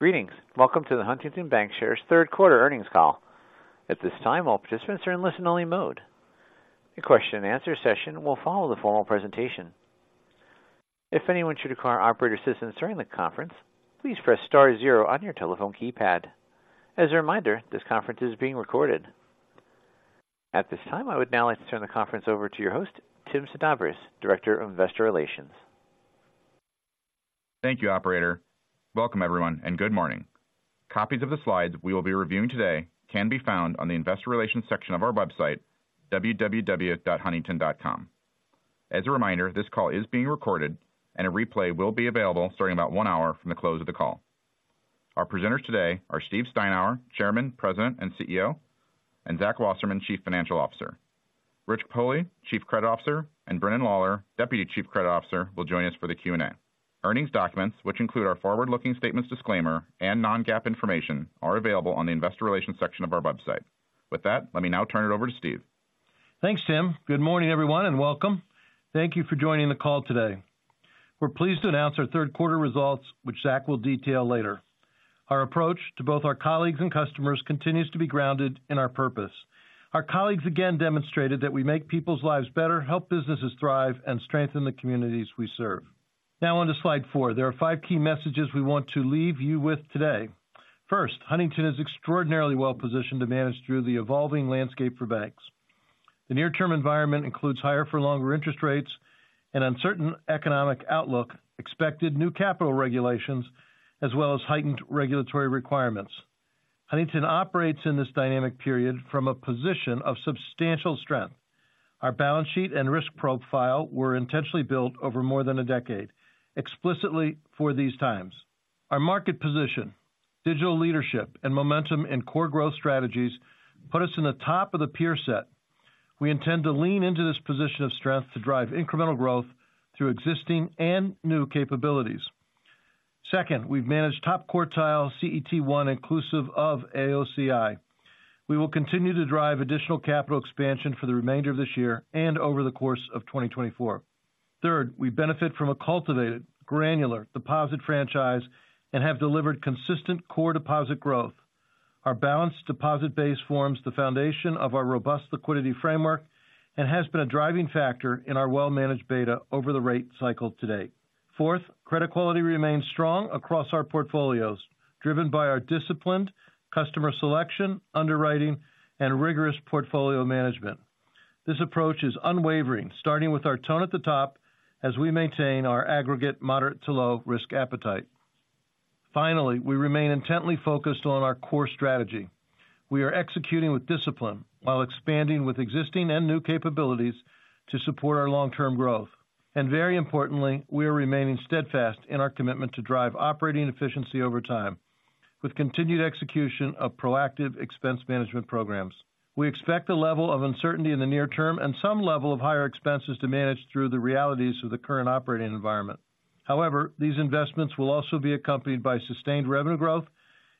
Greetings! Welcome to the Huntington Bancshares third quarter earnings call. At this time, all participants are in listen-only mode. A question-and-answer session will follow the formal presentation. If anyone should require operator assistance during the conference, please press star 0 on your telephone keypad. As a reminder, this conference is being recorded. At this time, I would now like to turn the conference over to your host, Tim Sedabres, Director of Investor Relations. Thank you, operator. Welcome, everyone, and good morning. Copies of the slides we will be reviewing today can be found on the Investor Relations section of our website, www.huntington.com. As a reminder, this call is being recorded, and a replay will be available starting about one hour from the close of the call. Our presenters today are Steve Steinour, Chairman, President, and CEO, and Zach Wasserman, Chief Financial Officer. Rich Pohle, Chief Credit Officer, and Brendan Lawlor, Deputy Chief Credit Officer, will join us for the Q&A. Earnings documents, which include our forward-looking statements disclaimer and non-GAAP information, are available on the Investor Relations section of our website. With that, let me now turn it over to Steve. Thanks, Tim. Good morning, everyone, and welcome. Thank you for joining the call today. We're pleased to announce our third quarter results, which Zach will detail later. Our approach to both our colleagues and customers continues to be grounded in our purpose. Our colleagues again demonstrated that we make people's lives better, help businesses thrive, and strengthen the communities we serve. Now, on to Slide four. There are five key messages we want to leave you with today. First, Huntington is extraordinarily well-positioned to manage through the evolving landscape for banks. The near-term environment includes higher-for-longer interest rates and uncertain economic outlook, expected new capital regulations, as well as heightened regulatory requirements. Huntington operates in this dynamic period from a position of substantial strength. Our balance sheet and risk profile were intentionally built over more than a decade, explicitly for these times. Our market position, digital leadership, and momentum in core growth strategies put us in the top of the peer set. We intend to lean into this position of strength to drive incremental growth through existing and new capabilities. Second, we've managed top quartile CET1, inclusive of AOCI. We will continue to drive additional capital expansion for the remainder of this year and over the course of 2024. Third, we benefit from a cultivated, granular deposit franchise and have delivered consistent core deposit growth. Our balanced deposit base forms the foundation of our robust liquidity framework and has been a driving factor in our well-managed beta over the rate cycle to date. Fourth, credit quality remains strong across our portfolios, driven by our disciplined customer selection, underwriting, and rigorous portfolio management. This approach is unwavering, starting with our tone at the top as we maintain our aggregate moderate to low risk appetite. Finally, we remain intently focused on our core strategy. We are executing with discipline while expanding with existing and new capabilities to support our long-term growth. Very importantly, we are remaining steadfast in our commitment to drive operating efficiency over time, with continued execution of proactive expense management programs. We expect the level of uncertainty in the near term and some level of higher expenses to manage through the realities of the current operating environment. However, these investments will also be accompanied by sustained revenue growth,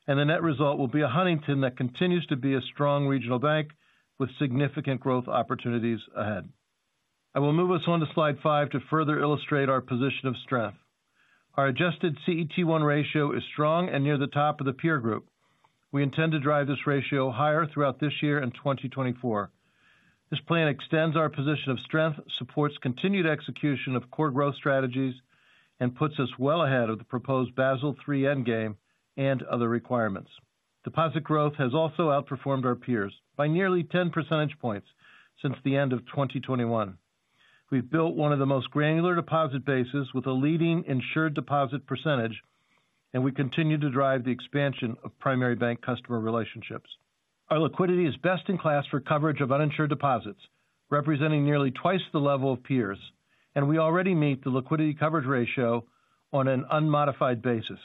and the net result will be a Huntington that continues to be a strong regional bank with significant growth opportunities ahead. I will move us on to Slide five to further illustrate our position of strength. Our adjusted CET1 ratio is strong and near the top of the peer group. We intend to drive this ratio higher throughout this year and 2024. This plan extends our position of strength, supports continued execution of core growth strategies, and puts us well ahead of the proposed Basel III endgame and other requirements. Deposit growth has also outperformed our peers by nearly 10 percentage points since the end of 2021. We've built one of the most granular deposit bases with a leading insured deposit percentage, and we continue to drive the expansion of primary bank customer relationships. Our liquidity is best in class for coverage of uninsured deposits, representing nearly twice the level of peers, and we already meet the liquidity coverage ratio on an unmodified basis.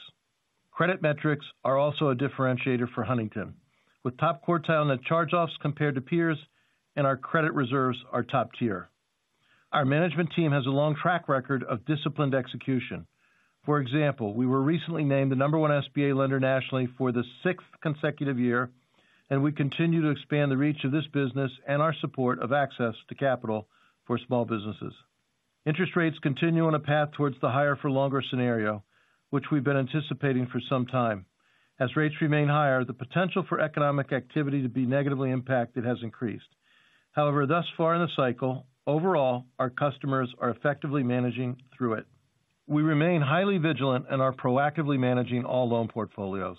Credit metrics are also a differentiator for Huntington, with top-quartile net charge-offs compared to peers, and our credit reserves are top tier. Our management team has a long track record of disciplined execution. For example, we were recently named the number one SBA lender nationally for the sixth consecutive year, and we continue to expand the reach of this business and our support of access to capital for small businesses. Interest rates continue on a path towards the higher-for-longer scenario, which we've been anticipating for some time. As rates remain higher, the potential for economic activity to be negatively impacted has increased. However, thus far in the cycle, overall, our customers are effectively managing through it. We remain highly vigilant and are proactively managing all loan portfolios.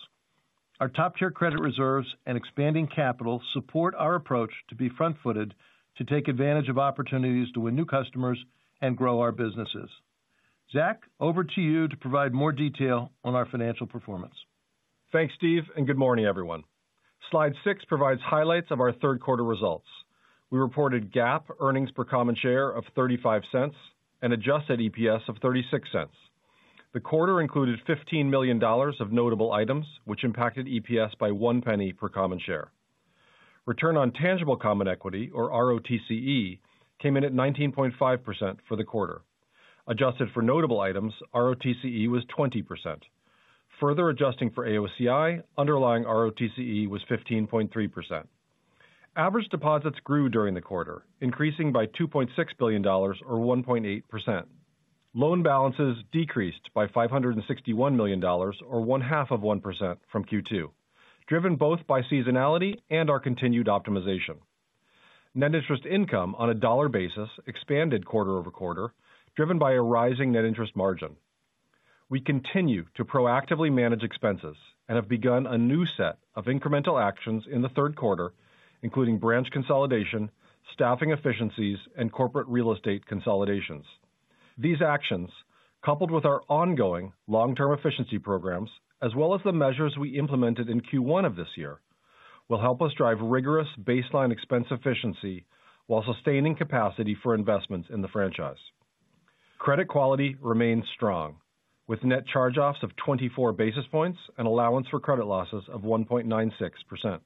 Our top-tier credit reserves and expanding capital support our approach to be front-footed to take advantage of opportunities to win new customers and grow our businesses. Zach, over to you to provide more detail on our financial performance. Thanks, Steve. Good morning, everyone. Slide six provides highlights of our third quarter results. We reported GAAP earnings per common share of $0.35 and adjusted EPS of $0.36. The quarter included $15 million of notable items, which impacted EPS by $0.01 per common share. Return on tangible common equity, or ROTCE, came in at 19.5 for the quarter. Adjusted for notable items, ROTCE was 20%. Further adjusting for AOCI, underlying ROTCE was 15.3%. Average deposits grew during the quarter, increasing by $2.6 billion or 1.8%. Loan balances decreased by $561 million, or 0.5% from Q2, driven both by seasonality and our continued optimization. Net interest income on a dollar basis expanded quarter-over-quarter, driven by a rising net interest margin. We continue to proactively manage expenses and have begun a new set of incremental actions in the third quarter, including branch consolidation, staffing efficiencies, and corporate real estate consolidations. These actions, coupled with our ongoing long-term efficiency programs, as well as the measures we implemented in Q1 of this year, will help us drive rigorous baseline expense efficiency while sustaining capacity for investments in the franchise. Credit quality remains strong, with net charge-offs of 24 basis points and allowance for credit losses of 1.96%.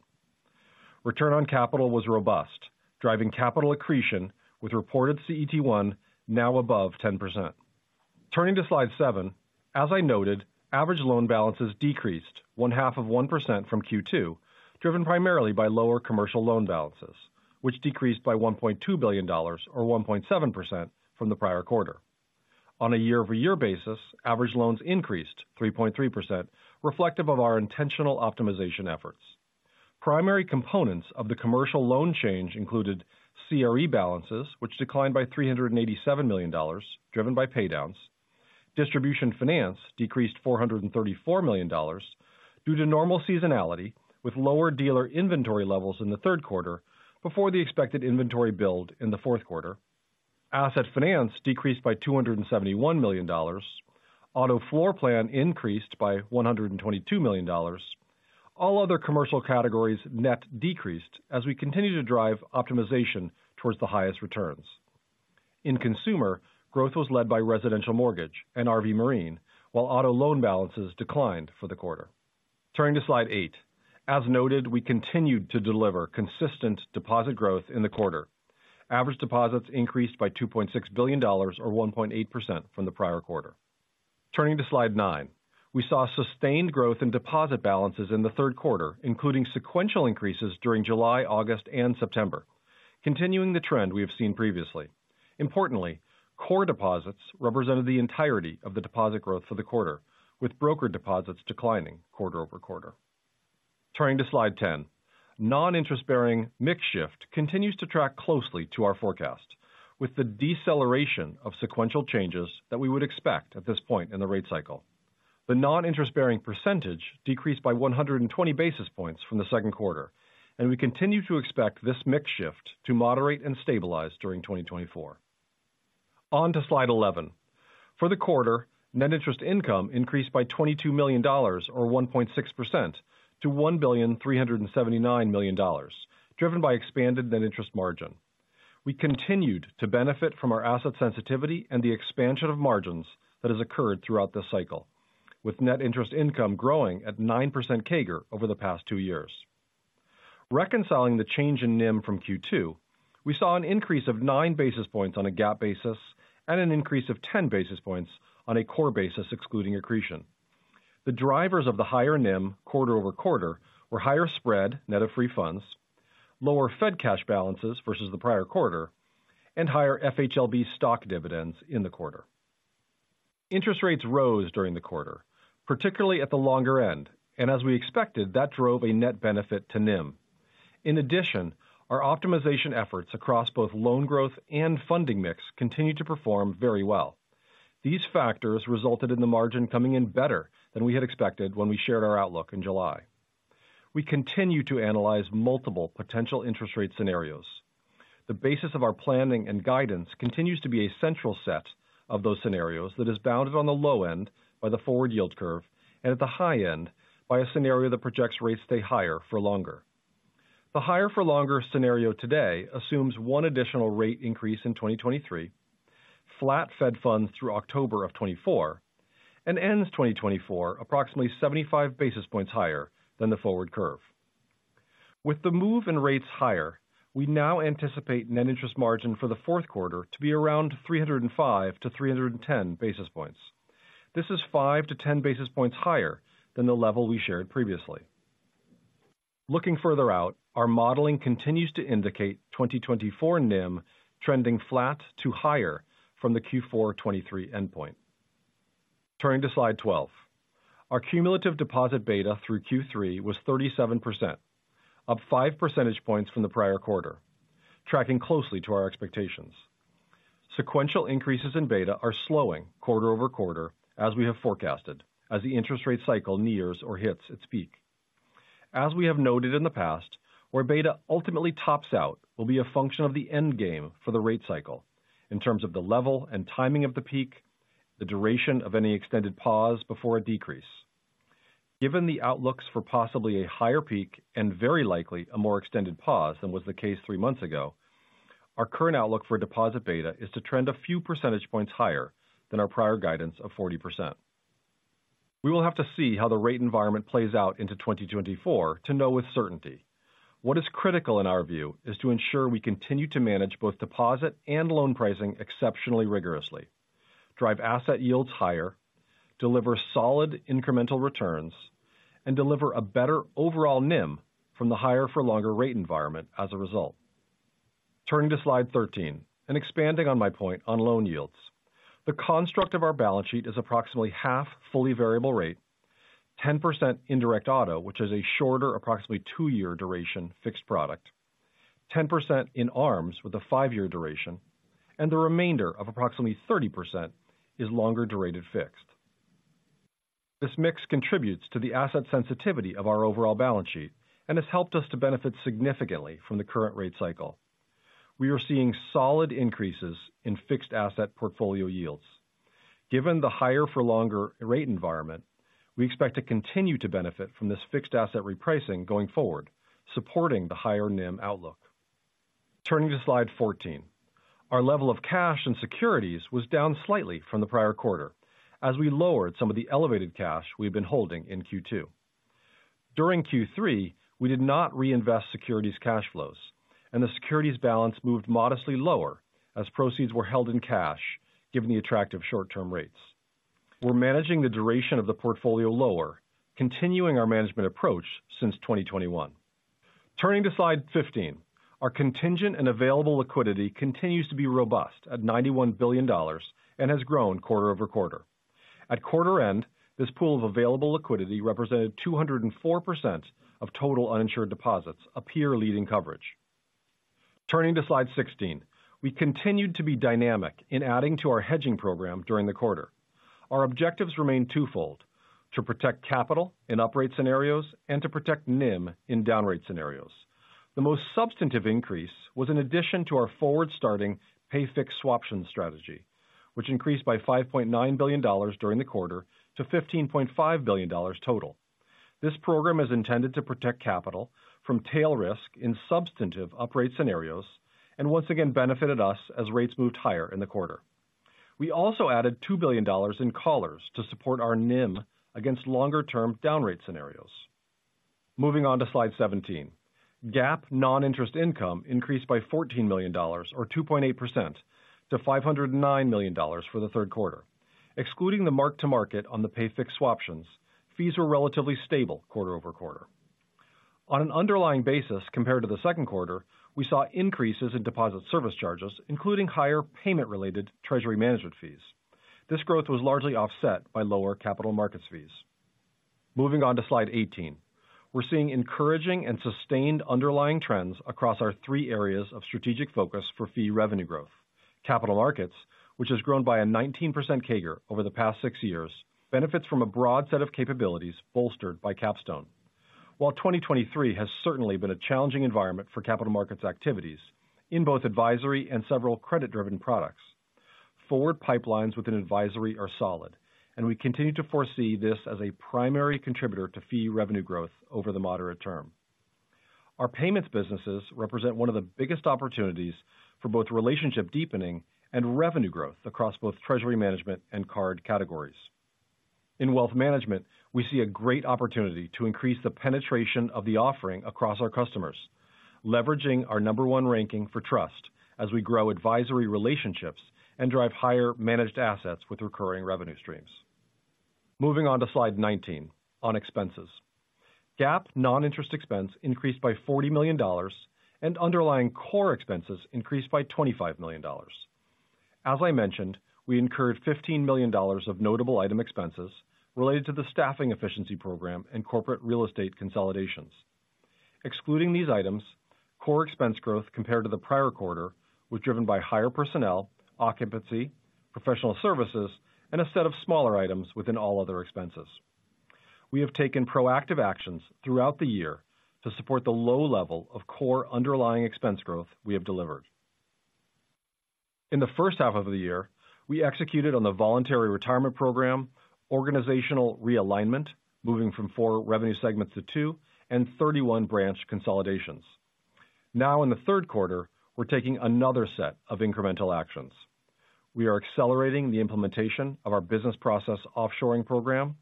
Return on capital was robust, driving capital accretion, with reported CET1 now above 10%. Turning to slide 7. As I noted, average loan balances decreased 0.5% from Q2, driven primarily by lower commercial loan balances, which decreased by $1.2 billion or 1.7% from the prior quarter. On a year-over-year basis, average loans increased 3.3%, reflective of our intentional optimization efforts. Primary components of the commercial loan change included CRE balances, which declined by $387 million, driven by paydowns. Distribution finance decreased $434 million due to normal seasonality, with lower dealer inventory levels in the third quarter before the expected inventory build in the fourth quarter. Asset finance decreased by $271 million. Auto floor plan increased by $122 million. All other commercial categories net decreased as we continue to drive optimization towards the highest returns. In consumer, growth was led by residential mortgage and RV Marine, while auto loan balances declined for the quarter. Turning to slide eight. As noted, we continued to deliver consistent deposit growth in the quarter. Average deposits increased by $2.6 billion or 1.8% from the prior quarter. Turning to slide nine. We saw sustained growth in deposit balances in the third quarter, including sequential increases during July, August, and September, continuing the trend we have seen previously. Importantly, core deposits represented the entirety of the deposit growth for the quarter, with broker deposits declining quarter-over-quarter. Turning to slide 10. Non-interest-bearing mix shift continues to track closely to our forecast, with the deceleration of sequential changes that we would expect at this point in the rate cycle. The non-interest-bearing percentage decreased by 120 basis points from the second quarter, and we continue to expect this mix shift to moderate and stabilize during 2024. On to slide 11. For the quarter, net interest income increased by $22 million, or 1.6% to $1,379 million, driven by expanded net interest margin. We continued to benefit from our asset sensitivity and the expansion of margins that has occurred throughout this cycle, with net interest income growing at 9% CAGR over the past two years. Reconciling the change in NIM from Q2, we saw an increase of nine basis points on a GAAP basis and an increase of 10 basis points on a core basis, excluding accretion. The drivers of the higher NIM quarter-over-quarter were higher spread net of free funds, lower Fed cash balances versus the prior quarter, and higher FHLB stock dividends in the quarter. Interest rates rose during the quarter, particularly at the longer end, and as we expected, that drove a net benefit to NIM. In addition, our optimization efforts across both loan growth and funding mix continued to perform very well. These factors resulted in the margin coming in better than we had expected when we shared our outlook in July. We continue to analyze multiple potential interest rate scenarios. The basis of our planning and guidance continues to be a central set of those scenarios that is bounded on the low end by the forward yield curve and at the high end by a scenario that projects rates stay higher for longer. The higher for longer scenario today assumes one additional rate increase in 2023, flat Fed funds through October of 2024, and ends 2024 approximately 75 basis points higher than the forward curve. With the move in rates higher, we now anticipate net interest margin for the fourth quarter to be around 305-310 basis points. This is 5 basis point-10 basis points higher than the level we shared previously. Looking further out, our modeling continues to indicate 2024 NIM trending flat to higher from the Q4 2023 endpoint. Turning to slide 12. Our cumulative deposit beta through Q3 was 37%, up five percentage points from the prior quarter, tracking closely to our expectations. Sequential increases in beta are slowing quarter-over-quarter as we have forecasted, as the interest rate cycle nears or hits its peak. As we have noted in the past, where beta ultimately tops out will be a function of the end game for the rate cycle in terms of the level and timing of the peak, the duration of any extended pause before a decrease. Given the outlooks for possibly a higher peak and very likely a more extended pause than was the case three months ago, our current outlook for deposit beta is to trend a few percentage points higher than our prior guidance of 40%. We will have to see how the rate environment plays out into 2024 to know with certainty. What is critical, in our view, is to ensure we continue to manage both deposit and loan pricing exceptionally rigorously, drive asset yields higher, deliver solid incremental returns, and deliver a better overall NIM from the higher-for-longer rate environment as a result. Turning to Slide 13, and expanding on my point on loan yields. The construct of our balance sheet is approximately half fully variable rate, 10% indirect auto, which is a shorter, approximately two-year duration fixed product, 10% in ARMSs with a five-year duration, and the remainder of approximately 30% is longer-durated fixed. This mix contributes to the asset sensitivity of our overall balance sheet and has helped us to benefit significantly from the current rate cycle. We are seeing solid increases in fixed asset portfolio yields. Given the higher-for-longer rate environment, we expect to continue to benefit from this fixed asset repricing going forward, supporting the higher NIM outlook. Turning to Slide 14. Our level of cash and securities was down slightly from the prior quarter as we lowered some of the elevated cash we've been holding in Q2. During Q3, we did not reinvest securities cash flows, and the securities balance moved modestly lower as proceeds were held in cash, given the attractive short-term rates. We're managing the duration of the portfolio lower, continuing our management approach since 2021. Turning to Slide 15. Our contingent and available liquidity continues to be robust at $91 billion and has grown quarter-over-quarter. At quarter end, this pool of available liquidity represented 204% of total uninsured deposits, a peer-leading coverage. Turning to Slide 16. We continued to be dynamic in adding to our hedging program during the quarter. Our objectives remain twofold: to protect capital in up-rate scenarios and to protect NIM in down-rate scenarios. The most substantive increase was an addition to our forward-starting pay fixed swaption strategy, which increased by $5.9 billion during the quarter to $15.5 billion total. This program is intended to protect capital from tail risk in substantive up-rate scenarios and once again benefited us as rates moved higher in the quarter. We also added $2 billion in collars to support our NIM against longer-term down-rate scenarios. Moving on to slide 17. GAAP non-interest income increased by $14 million, or 2.8% to $509 million for the third quarter. Excluding the mark-to-market on the pay fixed swaptions, fees were relatively stable quarter-over-quarter. On an underlying basis, compared to the second quarter, we saw increases in deposit service charges, including higher payment-related treasury management fees. This growth was largely offset by lower capital markets fees. Moving on to slide 18, we're seeing encouraging and sustained underlying trends across our three areas of strategic focus for fee revenue growth. Capital markets, which has grown by a 19% CAGR over the past six years, benefits from a broad set of capabilities bolstered by Capstone. While 2023 has certainly been a challenging environment for capital markets activities in both advisory and several credit-driven products, forward pipelines within advisory are solid, and we continue to foresee this as a primary contributor to fee revenue growth over the moderate term. Our payments businesses represent one of the biggest opportunities for both relationship deepening and revenue growth across both treasury management and card categories. In wealth management, we see a great opportunity to increase the penetration of the offering across our customers, leveraging our number one ranking for trust as we grow advisory relationships and drive higher managed assets with recurring revenue streams. Moving on to slide 19, on expenses. GAAP non-interest expense increased by $40 million, and underlying core expenses increased by $25 million. As I mentioned, we incurred $15 million of notable item expenses related to the staffing efficiency program and corporate real estate consolidations. Excluding these items, core expense growth compared to the prior quarter was driven by higher personnel, occupancy, professional services, and a set of smaller items within all other expenses. We have taken proactive actions throughout the year to support the low level of core underlying expense growth we have delivered. In the first half of the year, we executed on the voluntary retirement program, organizational realignment, moving from four revenue segments to two, and 31 branch consolidations. Now, in the third quarter, we're taking another set of incremental actions. We are accelerating the implementation of our business process offshoring program,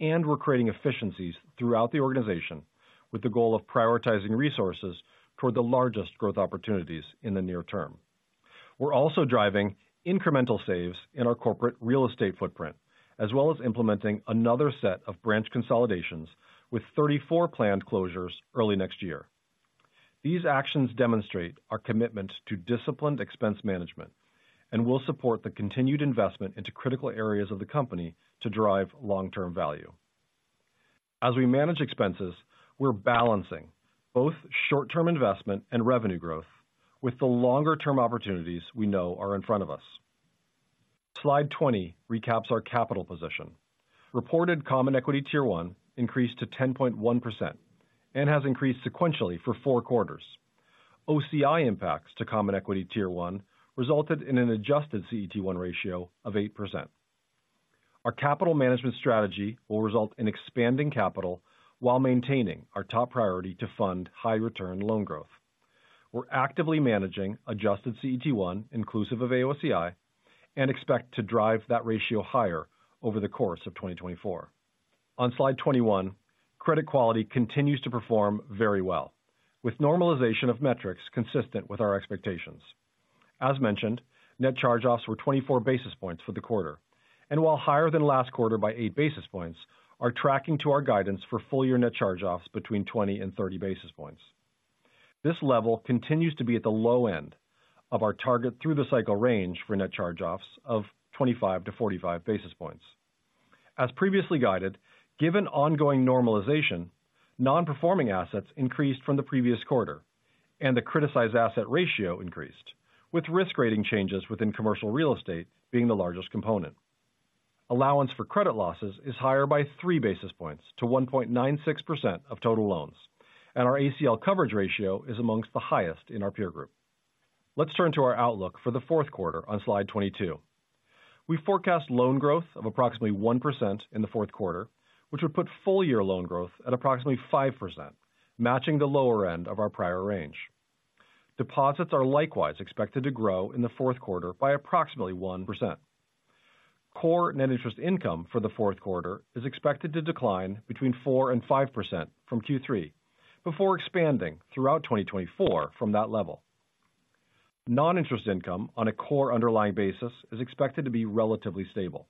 and we're creating efficiencies throughout the organization with the goal of prioritizing resources toward the largest growth opportunities in the near term. We're also driving incremental saves in our corporate real estate footprint, as well as implementing another set of branch consolidations with 34 planned closures early next year. These actions demonstrate our commitment to disciplined expense management and will support the continued investment into critical areas of the company to drive long-term value. As we manage expenses, we're balancing both short-term investment and revenue growth with the longer-term opportunities we know are in front of us. Slide 20 recaps our capital position. Reported Common Equity Tier 1 increased to 10.1% and has increased sequentially for four quarters. OCI impacts to Common Equity Tier 1 resulted in an adjusted CET1 ratio of 8%. Our capital management strategy will result in expanding capital while maintaining our top priority to fund high-return loan growth. We're actively managing adjusted CET1, inclusive of AOCI, and expect to drive that ratio higher over the course of 2024. On Slide 21, credit quality continues to perform very well, with normalization of metrics consistent with our expectations. As mentioned, net charge-offs were 24 basis points for the quarter, and while higher than last quarter by eight basis points, are tracking to our guidance for full year net charge-offs between 20 and 30 basis points. This level continues to be at the low end of our target through the cycle range for net charge-offs of 25 basis points-45 basis points. As previously guided, given ongoing normalization, Non-Performing Assets increased from the previous quarter, and the Criticized Asset ratio increased, with risk rating changes within Commercial Real Estate being the largest component. Allowance for Credit Losses is higher by three basis points to 1.96% of total loans, and our ACL coverage ratio is amongst the highest in our peer group. Let's turn to our outlook for the fourth quarter on Slide 22. We forecast loan growth of approximately 1% in the fourth quarter, which would put full-year loan growth at approximately 5%, matching the lower end of our prior range. Deposits are likewise expected to grow in the fourth quarter by approximately 1%. Core net interest income for the fourth quarter is expected to decline between 4% and 5% from Q3, before expanding throughout 2024 from that level. Non-interest income on a core underlying basis is expected to be relatively stable.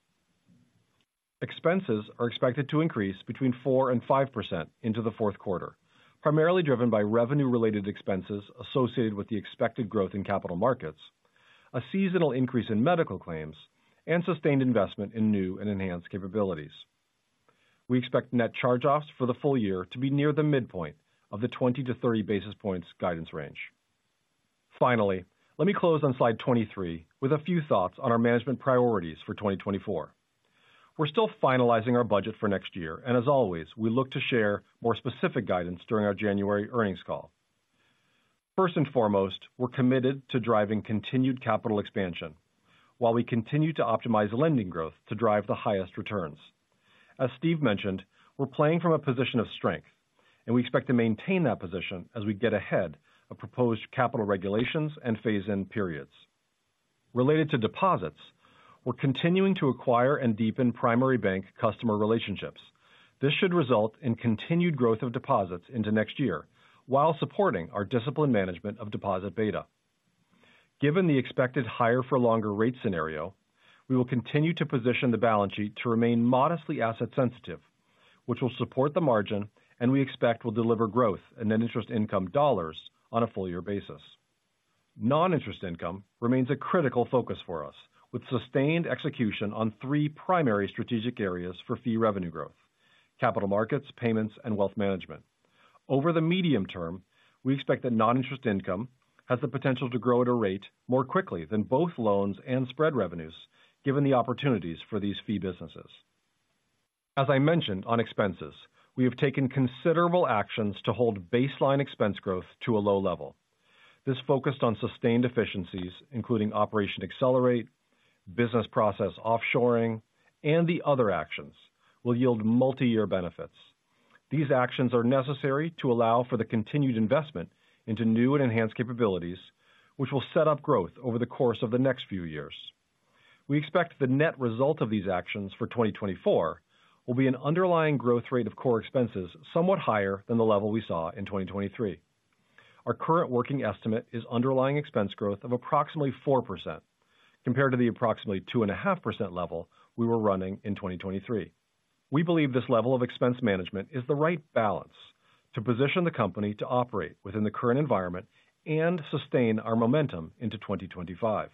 Expenses are expected to increase between 4% and 5% into the fourth quarter, primarily driven by revenue-related expenses associated with the expected growth in capital markets, a seasonal increase in medical claims, and sustained investment in new and enhanced capabilities. We expect net charge-offs for the full year to be near the midpoint of the 20 basis points-30 basis points guidance range. Finally, let me close on slide 23 with a few thoughts on our management priorities for 2024. We're still finalizing our budget for next year, and as always, we look to share more specific guidance during our January earnings call. First and foremost, we're committed to driving continued capital expansion while we continue to optimize lending growth to drive the highest returns. As Steve mentioned, we're playing from a position of strength, and we expect to maintain that position as we get ahead of proposed capital regulations and phase-in periods. Related to deposits, we're continuing to acquire and deepen primary bank customer relationships. This should result in continued growth of deposits into next year while supporting our disciplined management of deposit beta. Given the expected higher-for-longer rate scenario, we will continue to position the balance sheet to remain modestly asset-sensitive, which will support the margin and we expect will deliver growth in net interest income dollars on a full-year basis. Non-interest income remains a critical focus for us, with sustained execution on three primary strategic areas for fee revenue growth: capital markets, payments, and wealth management. Over the medium term, we expect that non-interest income has the potential to grow at a rate more quickly than both loans and spread revenues, given the opportunities for these fee businesses. As I mentioned on expenses, we have taken considerable actions to hold baseline expense growth to a low level. This focused on sustained efficiencies, including Operation Accelerate, business process offshoring, and the other actions will yield multi-year benefits. These actions are necessary to allow for the continued investment into new and enhanced capabilities, which will set up growth over the course of the next few years. We expect the net result of these actions for 2024 will be an underlying growth rate of core expenses, somewhat higher than the level we saw in 2023. Our current working estimate is underlying expense growth of approximately 4% compared to the approximately 2.5% level we were running in 2023. We believe this level of expense management is the right balance to position the company to operate within the current environment and sustain our momentum into 2025.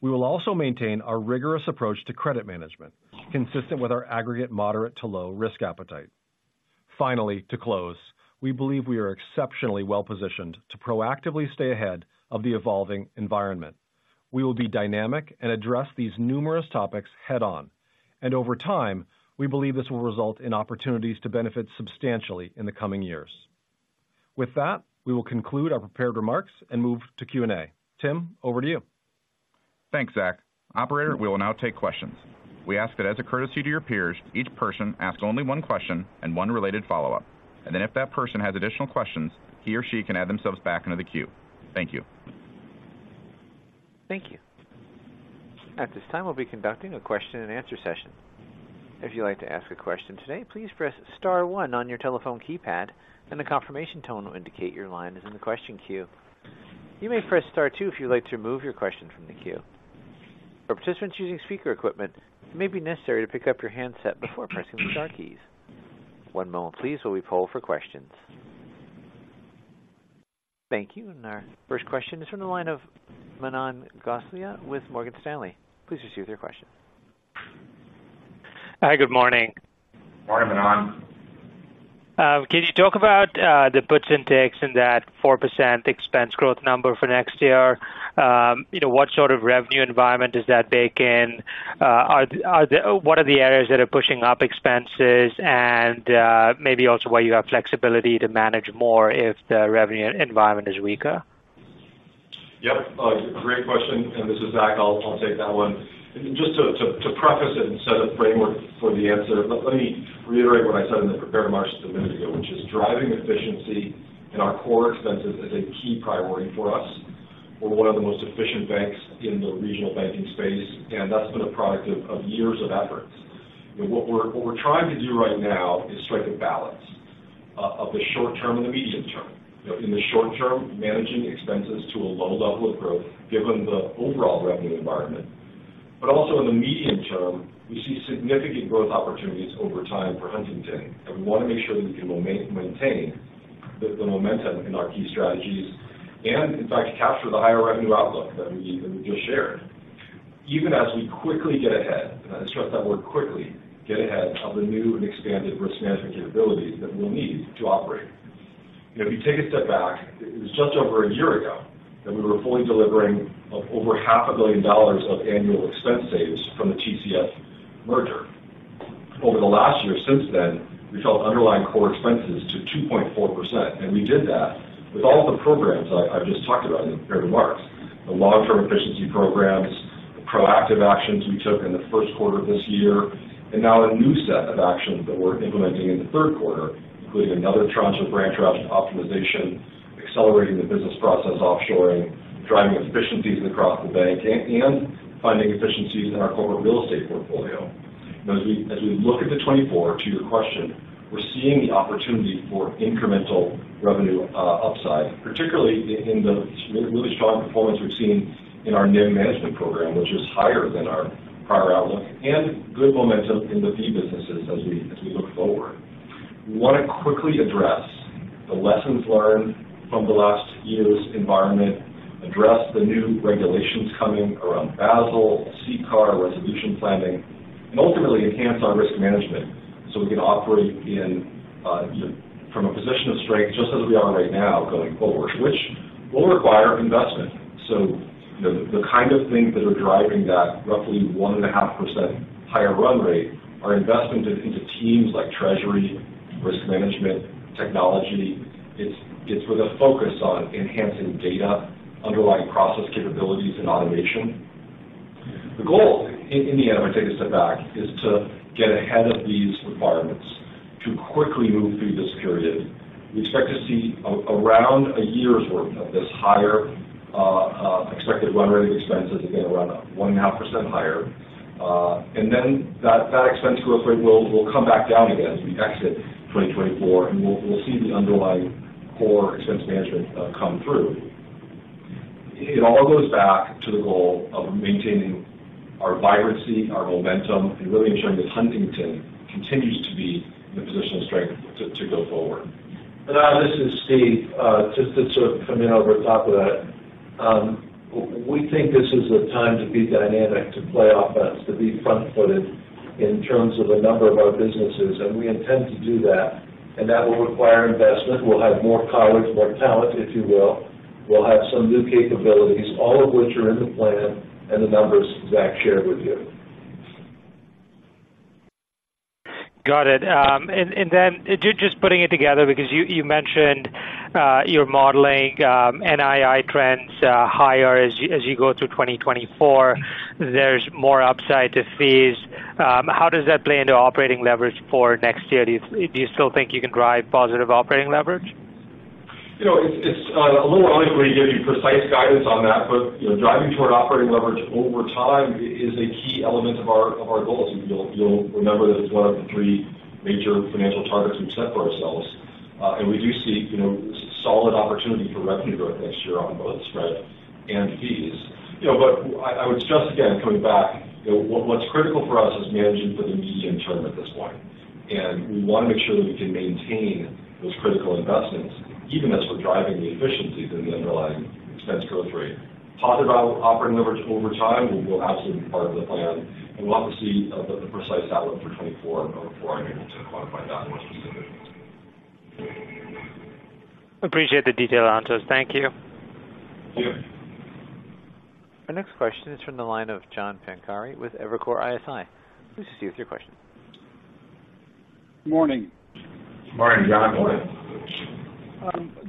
We will also maintain our rigorous approach to credit management, consistent with our aggregate moderate-to-low risk appetite. Finally, to close, we believe we are exceptionally well-positioned to proactively stay ahead of the evolving environment. We will be dynamic and address these numerous topics head-on, and over time, we believe this will result in opportunities to benefit substantially in the coming years. With that, we will conclude our prepared remarks and move to Q&A. Tim, over to you. Thanks, Zach. Operator, we will now take questions. We ask that as a courtesy to your peers, each person ask only one question and one related follow-up, and then if that person has additional questions, he or she can add themselves back into the queue. Thank you. Thank you. At this time, we'll be conducting a question and answer session. If you'd like to ask a question today, please press star one on your telephone keypad, and a confirmation tone will indicate your line is in the question queue. You may press star two if you'd like to remove your question from the queue. For participants using speaker equipment, it may be necessary to pick up your handset before pressing the star keys. One moment, please, while we poll for questions. Thank you. Our first question is from the line of Manan Gosalia with Morgan Stanley. Please proceed with your question. Hi, good morning. Morning, Manan. Can you talk about the puts and takes in that 4% expense growth number for next year? You know, what sort of revenue environment is that bake in? What are the areas that are pushing up expenses and maybe also where you have flexibility to manage more if the revenue environment is weaker? Yep, great question, and this is Zach. I'll take that one. Just to preface it and set a framework for the answer, let me reiterate what I said in the prepared remarks just a minute ago, which is driving efficiency in our core expenses is a key priority for us. We're one of the most efficient banks in the regional banking space, and that's been a product of years of efforts. What we're trying to do right now is strike a balance of the short term and the medium term. In the short term, managing expenses to a low level of growth, given the overall revenue environment. Also in the medium term, we see significant growth opportunities over time for Huntington, and we want to make sure that we can maintain the momentum in our key strategies and, in fact, capture the higher revenue outlook that we just shared. Even as we quickly get ahead, and I stress that word quickly, get ahead of the new and expanded risk management capabilities that we'll need to operate. You know, if you take a step back, it was just over a year ago that we were fully delivering of over $500 million of annual expense saves from the TCF merger. Over the last year since then, we felt underlying core expenses to 2.4%, and we did that with all the programs I've just talked about in my remarks. The long-term efficiency programs, the proactive actions we took in the first quarter of this year, and now a new set of actions that we're implementing in the third quarter, including another tranche of branch route optimization, accelerating the business process, offshoring, driving efficiencies across the bank, and finding efficiencies in our corporate real estate portfolio. You know, as we look at 2024, to your question, we're seeing the opportunity for incremental revenue upside, particularly in the really strong performance we've seen in our NIM management program, which is higher than our prior outlook, and good momentum in the fee businesses as we look forward. We want to quickly address the lessons learned from the last few years' environment, address the new regulations coming around Basel, CCAR, resolution planning, and ultimately enhance our risk management so we can operate in, you know, from a position of strength, just as we are right now, going forward, which will require investment. The kind of things that are driving that roughly 1.5 higher run rate are investment into teams like treasury, risk management, technology. It's with a focus on enhancing data, underlying process capabilities and automation. The goal, in the end, if I take a step back, is to get ahead of these requirements to quickly move through this period. We expect to see around a year's worth of this higher expected run rate of expenses, again, around 1.5 higher. That expense growth rate will come back down again as we exit 2024, and we'll see the underlying core expense management come through. It all goes back to the goal of maintaining our vibrancy, our momentum, and really ensuring that Huntington continues to be in a position of strength to go forward. This is Steve. Just to sort of come in over the top of that, we think this is a time to be dynamic, to play offense, to be front-footed in terms of a number of our businesses, and we intend to do that, and that will require investment. We'll have more colleagues, more talent, if you will. We'll have some new capabilities, all of which are in the plan and the numbers Zach shared with you. Got it. Just putting it together, because you mentioned you're modeling NII trends higher as you go through 2024, there's more upside to fees. How does that play into operating leverage for next year? Do you still think you can drive positive operating leverage? You know, it's a little early to give you precise guidance on that, but, you know, driving toward operating leverage over time is a key element of our goals. You'll remember that it's one of the three major financial targets we've set for ourselves. We do see, you know, solid opportunity for revenue growth next year on both spread and fees. You know, but I would stress, again, coming back, you know, what's critical for us is managing for the medium term at this point, and we want to make sure that we can maintain those critical investments, even as we're driving the efficiencies in the underlying expense growth rate. Talk about operating leverage over time will absolutely be part of the plan, and we'll obviously, the precise outlook for 2024 before I'm able to quantify that more specifically. add a space after "."? No. Yeah. Our next question is from the line of John Pancari with Evercore ISI. This is you with your question. Morning. Morning, John.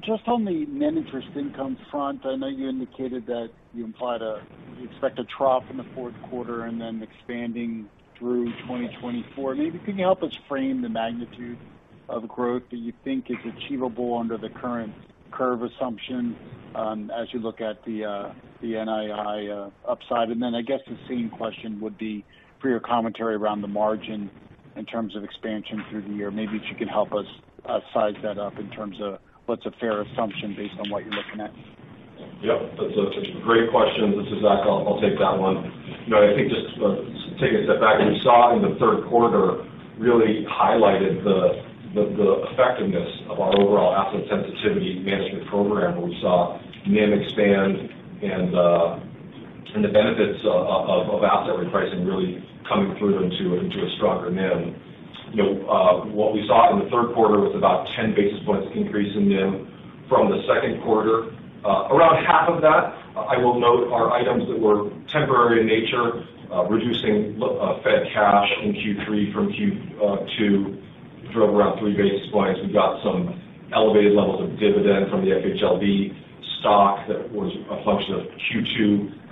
Just on the net interest income front, I know you indicated that you expect a trough in the fourth quarter and then expanding through 2024. Maybe can you help us frame the magnitude of growth that you think is achievable under the current curve assumption as you look at the NII upside? I guess the same question would be for your commentary around the margin in terms of expansion through the year. Maybe if you can help us size that up in terms of what's a fair assumption based on what you're looking at. Yeah, that's a great question. This is Zach. I'll take that one. You know, I think just taking a step back, we saw in the third quarter, really highlighted the effectiveness of our overall asset sensitivity management program, where we saw NIM expand and the benefits of asset repricing really coming through into a stronger NIM. You know, what we saw in the third quarter was about 10 basis points increase in NIM from the second quarter. Around half of that, I will note, are items that were temporary in nature. Reducing Fed cash in Q3 from Q2 drove around 3 basis points. We've got some elevated levels of dividend from the FHLB stock. That was a function of Q2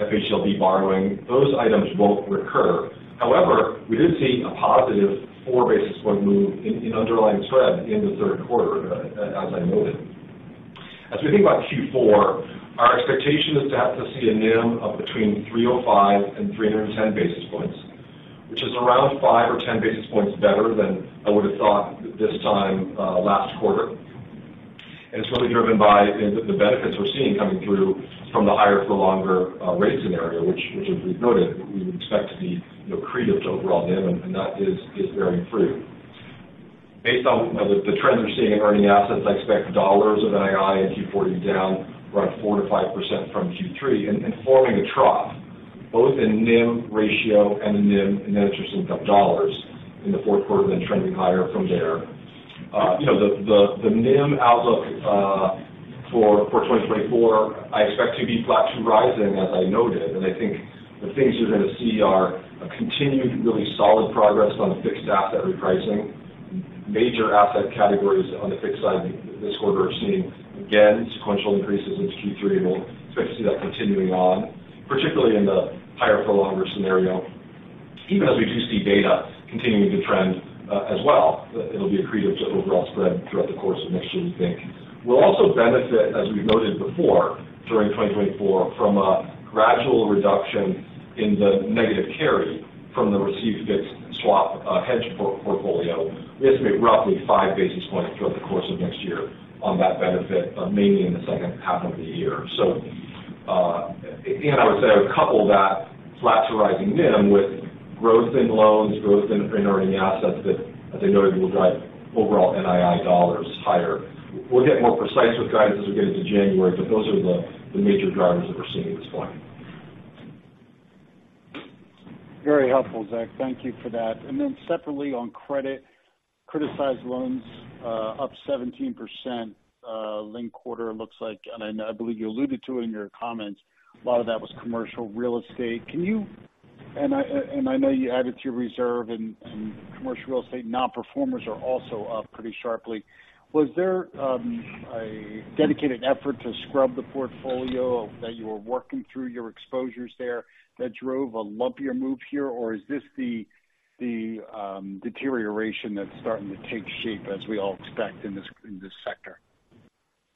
FHLB borrowing. Those items won't recur. However, we did see a positive 4 basis point move in underlying trend in the third quarter, as I noted. As we think about Q4, our expectation is to have to see a NIM of between 305 and 310 basis points, which is around 5 or 10 basis points better than I would have thought this time last quarter. It's really driven by the benefits we're seeing coming through from the higher-for-longer rate scenario, which, as we've noted, we expect to be accretive to overall NIM, and that is bearing fruit. Based on, you know, the trends we're seeing in earning assets, I expect dollars of NII in Q4 down around 4%-5% from Q3 and forming a trough, both in NIM ratio and in NIM, net interest income dollars in the fourth quarter, then trending higher from there. You know, the NIM outlook for 2024, I expect to be flat to rising, as I noted, and I think the things you're going to see are a continued, really solid progress on the fixed asset repricing. Major asset categories on the fixed side, this quarter, we're seeing, again, sequential increases in Q3, and we'll expect to see that continuing on, particularly in the higher for longer scenario. Even as we do see data continuing to trend as well, it'll be accretive to overall spread throughout the course of next year, we think. We'll also benefit, as we've noted before, during 2024, from a gradual reduction in the negative carry from the Receive Fixed Swap hedge portfolio. We estimate roughly five basis points throughout the course of next year on that benefit, but mainly in the second half of the year. I would say, I would couple that flat to rising NIM with growth in loans, growth in earning assets that, as I noted, will drive overall NII dollars higher. We'll get more precise with guidance as we get into January, but those are the major drivers that we're seeing at this point. Very helpful, Zach. Thank you for that. Separately, on credit, criticized loans up 17% linked-quarter, it looks like, and I believe you alluded to it in your comments. A lot of that was commercial real estate. I know you added to your reserve and commercial real estate non-performers are also up pretty sharply. Was there a dedicated effort to scrub the portfolio that you were working through your exposures there that drove a lumpier move here? Or is this the deterioration that's starting to take shape, as we all expect in this sector?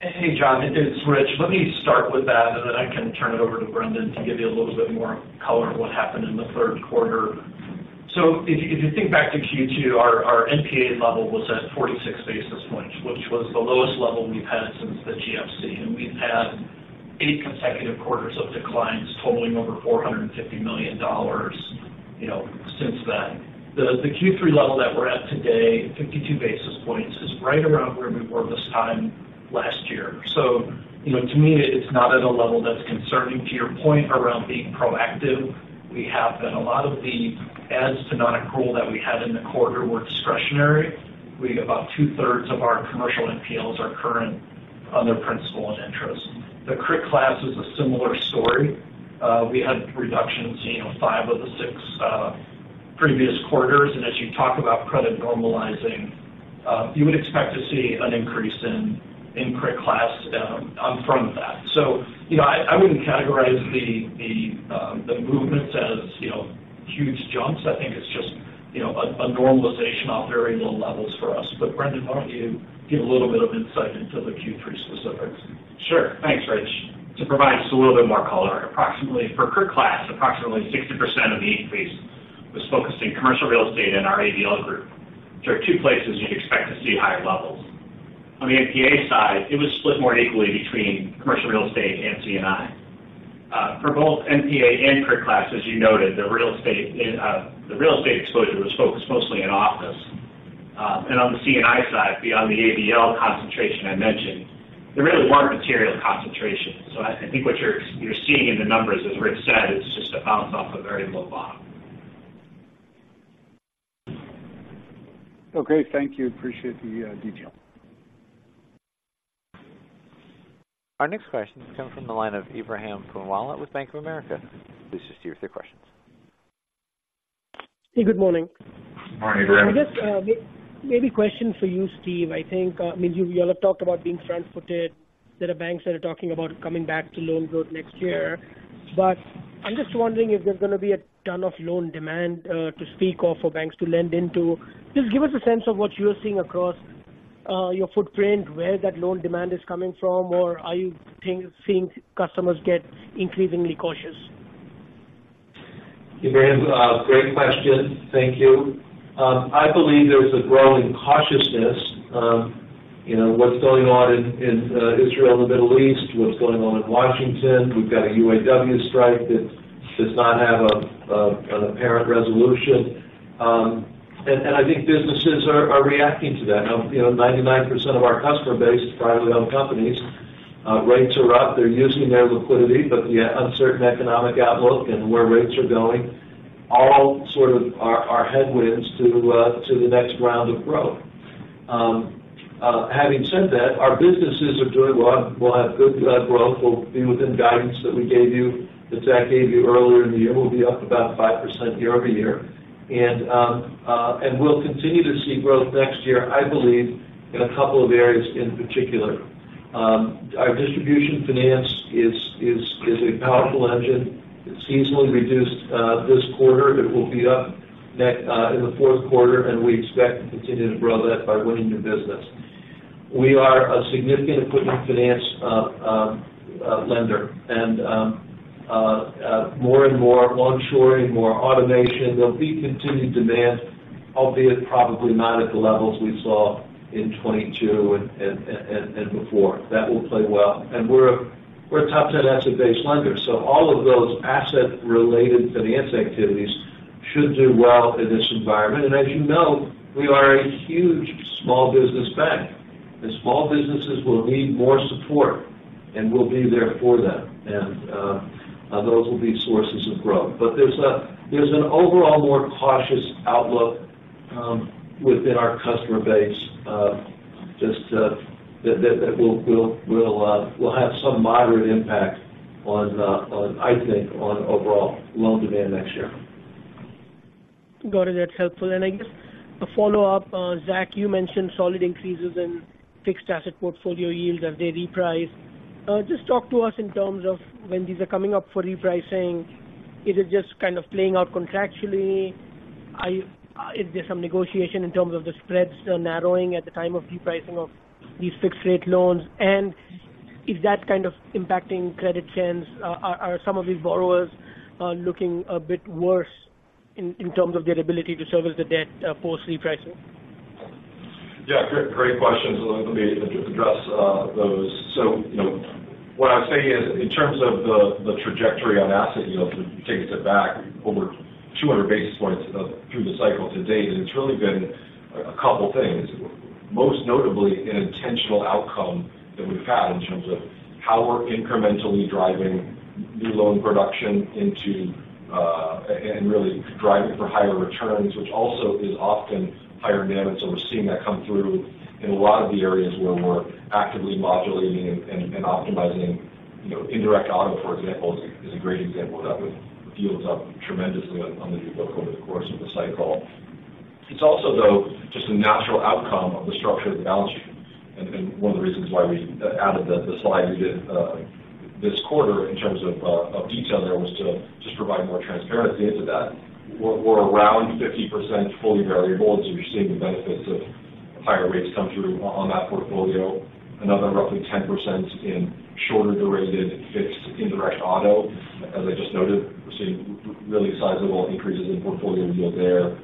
Hey, John, it is Rich. Let me start with that, and then I can turn it over to Brendan to give you a little bit more color on what happened in the third quarter. If you think back to Q2, our NPA level was at 46 basis points, which was the lowest level we've had since the GFC, and we've had eight consecutive quarters of declines totaling over $450 million, you know, since then. The Q3 level that we're at today, 52 basis points, is right around where we were this time last year. You know, to me, it's not at a level that's concerning. To your point around being proactive, we have been. A lot of the adds to nonaccrual that we had in the quarter were discretionary. About two-thirds of our commercial NPLs are current on their principal and interest. The crit class is a similar story. We had reductions in, you know, five of the six previous quarters, and as you talk about credit normalizing, you would expect to see an increase in crit class on front of that. You know, I wouldn't categorize the movements as, you know, huge jumps. I think it's just, you know, a normalization off very low levels for us. Brendan, why don't you give a little bit of insight into the Q3 specifics? Sure. Thanks, Rich. To provide just a little bit more color, for crit class, approximately 60% of the increase was focused in commercial real estate and our ABL group, which are two places you'd expect to see higher levels. On the NPA side, it was split more equally between commercial real estate and C&I. For both NPA and crit class, as you noted, the real estate exposure was focused mostly in office. On the C&I side, beyond the ABL concentration I mentioned, there really weren't material concentrations. I think what you're seeing in the numbers, as Rich said, is just a bounce off a very low bottom. Okay, thank you. Appreciate the detail. Our next question comes from the line of Ebrahim Poonawala with Bank of America. This is yours for your questions. Hey, good morning. Good morning, Ebrahim. I just, maybe a question for you, Steve. I think, I mean, you all have talked about being front-footed. There are banks that are talking about coming back to loan growth next year. I'm just wondering if there's going to be a ton of loan demand to speak of for banks to lend into. Just give us a sense of what you're seeing across your footprint, where that loan demand is coming from, or are you seeing customers get increasingly cautious? Ebrahim, great question. Thank you. I believe there's a growing cautiousness of, you know, what's going on in Israel and the Middle East, what's going on in Washington. We've got a UAW strike that does not have an apparent resolution. I think businesses are reacting to that. Now, you know, 99% of our customer base is privately owned companies. Rates are up. They're using their liquidity, but the uncertain economic outlook and where rates are going, all sort of are headwinds to the next round of growth. Having said that, our businesses are doing well. We'll have good growth. We'll be within guidance that we gave you, that Zach gave you earlier in the year. We'll be up about 5% year-over-year, and we'll continue to see growth next year, I believe, in a couple of areas in particular. Our distribution finance is a powerful engine. It's seasonally reduced this quarter. It will be up. That in the fourth quarter, and we expect to continue to grow that by winning new business. We are a significant equipment finance lender, and more and more onshoring, more automation. There'll be continued demand, albeit probably not at the levels we saw in 2022 and before. That will play well. We're a top-10 asset-based lender, so all of those asset-related finance activities should do well in this environment. As you know, we are a huge small business bank, and small businesses will need more support, and we'll be there for them, and those will be sources of growth. There's an overall more cautious outlook within our customer base. Just that will have some moderate impact on, I think, on overall loan demand next year. Got it. That's helpful. I guess a follow-up. Zach, you mentioned solid increases in fixed asset portfolio yields as they reprice. Just talk to us in terms of when these are coming up for repricing. Is it just kind of playing out contractually? Is there some negotiation in terms of the spreads narrowing at the time of repricing of these fixed-rate loans? Is that kind of impacting credit trends? Are some of these borrowers looking a bit worse in terms of their ability to service the debt post-repricing? Yeah, great, great questions. Let me address those. You know, what I would say is, in terms of the trajectory on asset yield, to take it back over 200 basis points through the cycle to date, it's really been a couple things. Most notably, an intentional outcome that we've had in terms of how we're incrementally driving new loan production into and really driving for higher returns, which also is often higher NIM. We're seeing that come through in a lot of the areas where we're actively modulating and optimizing. You know, indirect auto, for example, is a great example of that, with yields up tremendously on the book over the course of the cycle. It's also, though, just a natural outcome of the structure of the balance sheet. One of the reasons why we added the slide we did this quarter in terms of detail there was to just provide more transparency into that. We're around 50% fully variable, so you're seeing the benefits of higher rates come through on that portfolio. Another roughly 10% in shorter-duration fixed indirect auto. As I just noted, we're seeing really sizable increases in portfolio yield there.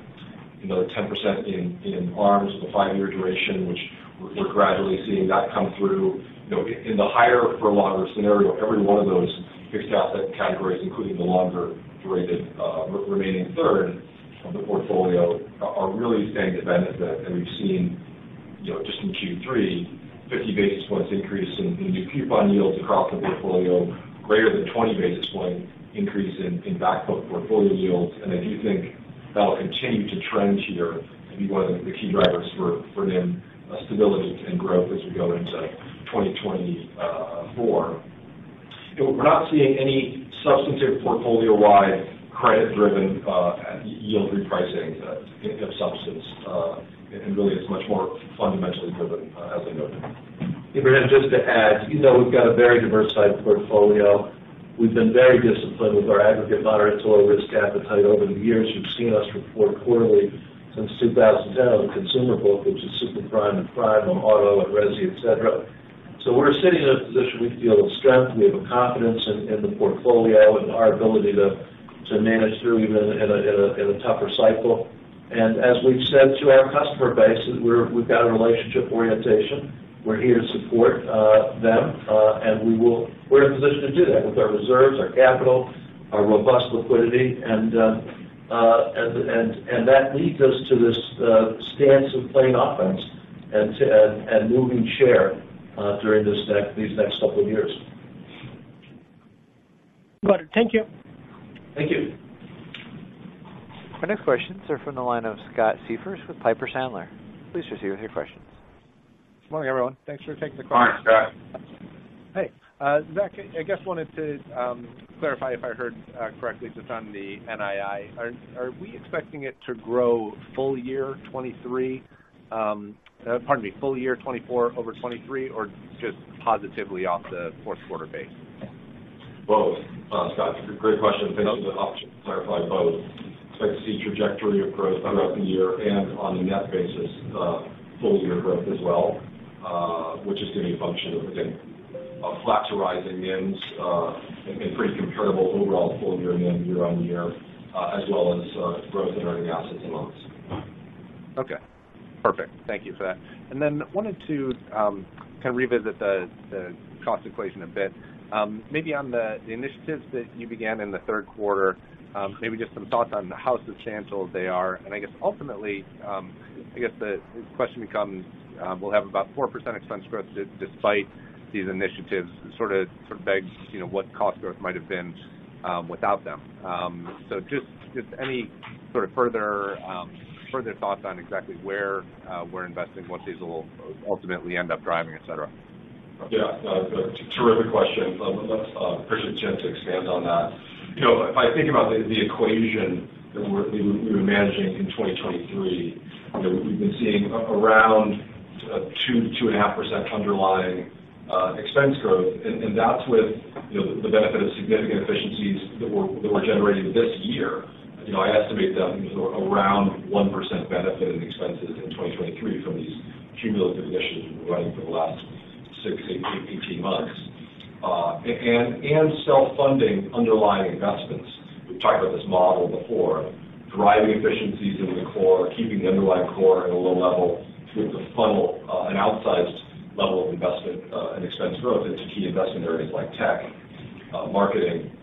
Another 10% in ARMSs with a five-year duration, which we're gradually seeing that come through. You know, in the higher-for-longer scenario, every one of those fixed asset categories, including the longer-duration remaining third of the portfolio, are really seeing the benefit. We've seen, you know, just in Q3, 50 basis points increase in coupon yields across the portfolio, greater than 20 basis point increase in back book portfolio yields. I do think that will continue to trend here and be one of the key drivers for NIM stability and growth as we go into 2024. You know, we're not seeing any substantive portfolio-wide, credit-driven yield repricing of substance. Really, it's much more fundamentally driven as I noted. Just to add, even though we've got a very diversified portfolio, we've been very disciplined with our aggregate moderate to low risk appetite over the years. You've seen us report quarterly since 2010 on the consumer book, which is super prime and prime on auto and resi, et cetera. We're sitting in a position we feel with strength. We have a confidence in the portfolio and our ability to manage through even in a tougher cycle. As we've said to our customer base, we've got a relationship orientation. We're here to support them, and we're in a position to do that with our reserves, our capital, our robust liquidity, and that leads us to this stance of playing offense and to. Moving share during these next couple years. Got it. Thank you. Thank you. Our next questions are from the line of Scott Siefers with Piper Sandler. Please proceed with your questions. Good morning, everyone. Thanks for taking the call. Hi, Scott. Hey, Zach, I guess wanted to clarify if I heard correctly just on the NII. Are we expecting it to grow full-year 2023, pardon me, full-year 2024 over 2023, or just positively off the fourth quarter base? Both. Scott, great question. Thanks for the opportunity to clarify both. Expect to see trajectory of growth throughout the year and on a net basis, full-year growth as well, which is going to be a function of, again, flat to rising NIMs and pretty comparable overall full-year NIM year-on-year, as well as growth in earning assets and loans. Okay, perfect. Thank you for that. Wanted to kind of revisit the cost equation a bit. Maybe on the initiatives that you began in the third quarter, maybe just some thoughts on how substantial they are. I guess ultimately, the question becomes, we'll have about 4% expense growth despite these initiatives, sort of begs, you know, what cost growth might have been without them. Just any sort of further thoughts on exactly where we're investing, what these will ultimately end up driving, et cetera? Yeah, terrific question. Let us appreciate the chance to expand on that. You know, if I think about the equation that we were managing in 2023, you know, we've been seeing around 2%-2.5% underlying expense growth. That's with, you know, the benefit of significant efficiencies that were generated this year. You know, I estimate that around 1% benefit in expenses in 2023 from these cumulative initiatives we've been running for the last six, eight, 18 months and self-funding underlying investments. We've talked about this model before, driving efficiencies in the core, keeping the underlying core at a low level through the funnel, an outsized level of investment and expense growth into key investment areas like tech, marketing,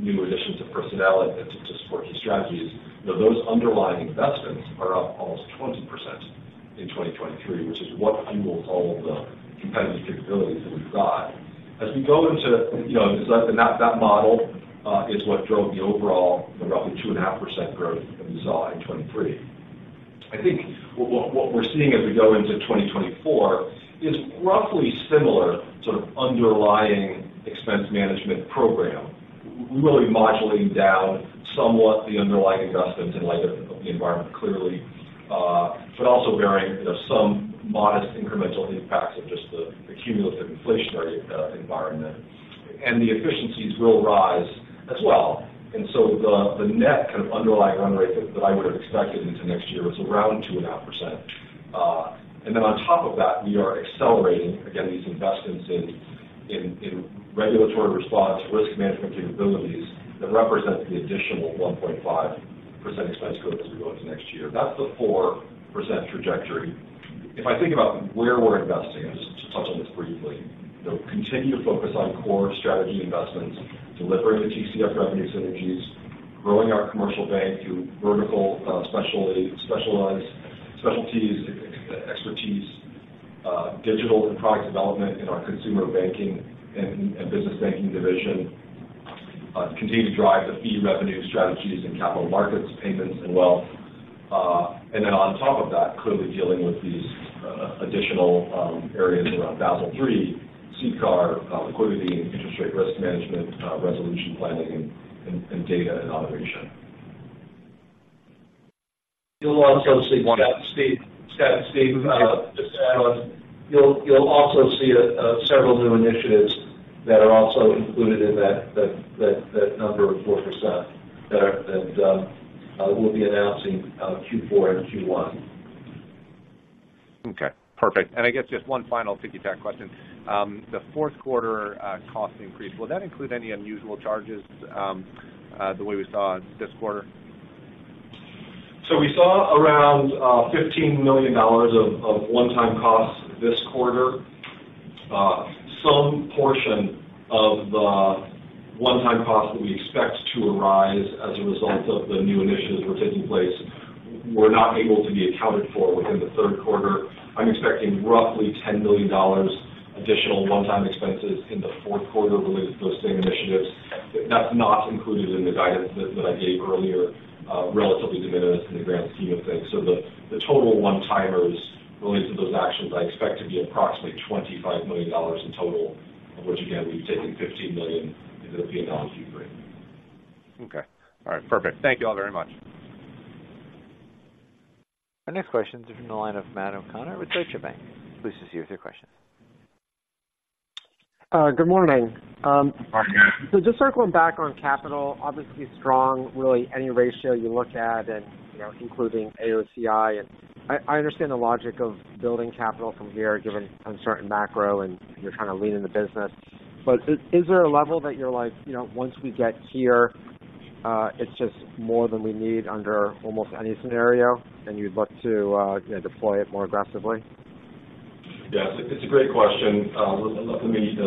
new additions of personnel and to support new strategies. You know, those underlying investments are up almost 20% in 2023, which is what fueled all of the competitive capabilities that we've got. As we go into, you know, that model is what drove the overall roughly 2.5% growth that you saw in 2023. If I think about where we're investing, and just to touch on this briefly, you know, continue to focus on core strategy investments, delivering the TCF revenue synergies, growing our commercial bank through vertical specialty, specialized specialties, expertise, digital and product development in our consumer banking and business banking division. Continue to drive the fee revenue strategies and capital markets, payments and wealth. On top of that, clearly dealing with these additional areas around Basel III, CCAR, liquidity and interest rate risk management, resolution planning and data and automation. You'll also see, Scott and Steve, just to add on, you'll also see several new initiatives that are also included in that number of 4% that we'll be announcing Q4 and Q1. Okay, perfect. I guess just one final piggyback question. The fourth quarter cost increase, will that include any unusual charges the way we saw it this quarter? We saw around $15 million of one-time costs this quarter. Some portion of the one-time costs that we expect to arise as a result of the new initiatives that are taking place were not able to be accounted for within the third quarter. I'm expecting roughly $10 million additional one-time expenses in the fourth quarter related to those same initiatives. That's not included in the guidance that I gave earlier, relatively de minimis in the grand scheme of things. The total one-timers related to those actions, I expect to be approximately $25 million in total, of which, again, we've taken $15 million, and it'll be announced Q3. Okay. All right. Perfect. Thank you all very much. Our next question is from the line of Matt O'Connor with Deutsche Bank. Please proceed with your question. Good morning. Hi, Matt. Just circling back on capital, obviously strong, really, any ratio you look at and, you know, including AOCI. I understand the logic of building capital from here, given uncertain macro, and you're trying to lean in the business. Is there a level that you're like, you know, once we get here, it's just more than we need under almost any scenario, and you'd look to, you know, deploy it more aggressively? Yes, it's a great question. Let me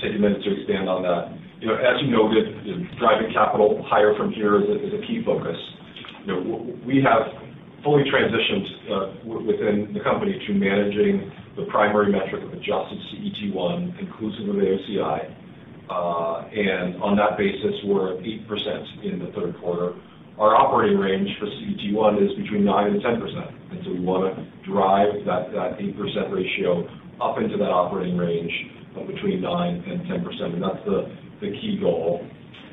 take a minute to expand on that. You know, as you noted, driving capital higher from here is a key focus. You know, we have fully transitioned within the company to managing the primary metric of adjusted CET1, inclusive of AOCI. On that basis, we're at 8% in the third quarter. Our operating range for CET1 is between 9% and 10%, and so we want to drive that 8% ratio up into that operating range of between 9% and 10%, and that's the key goal.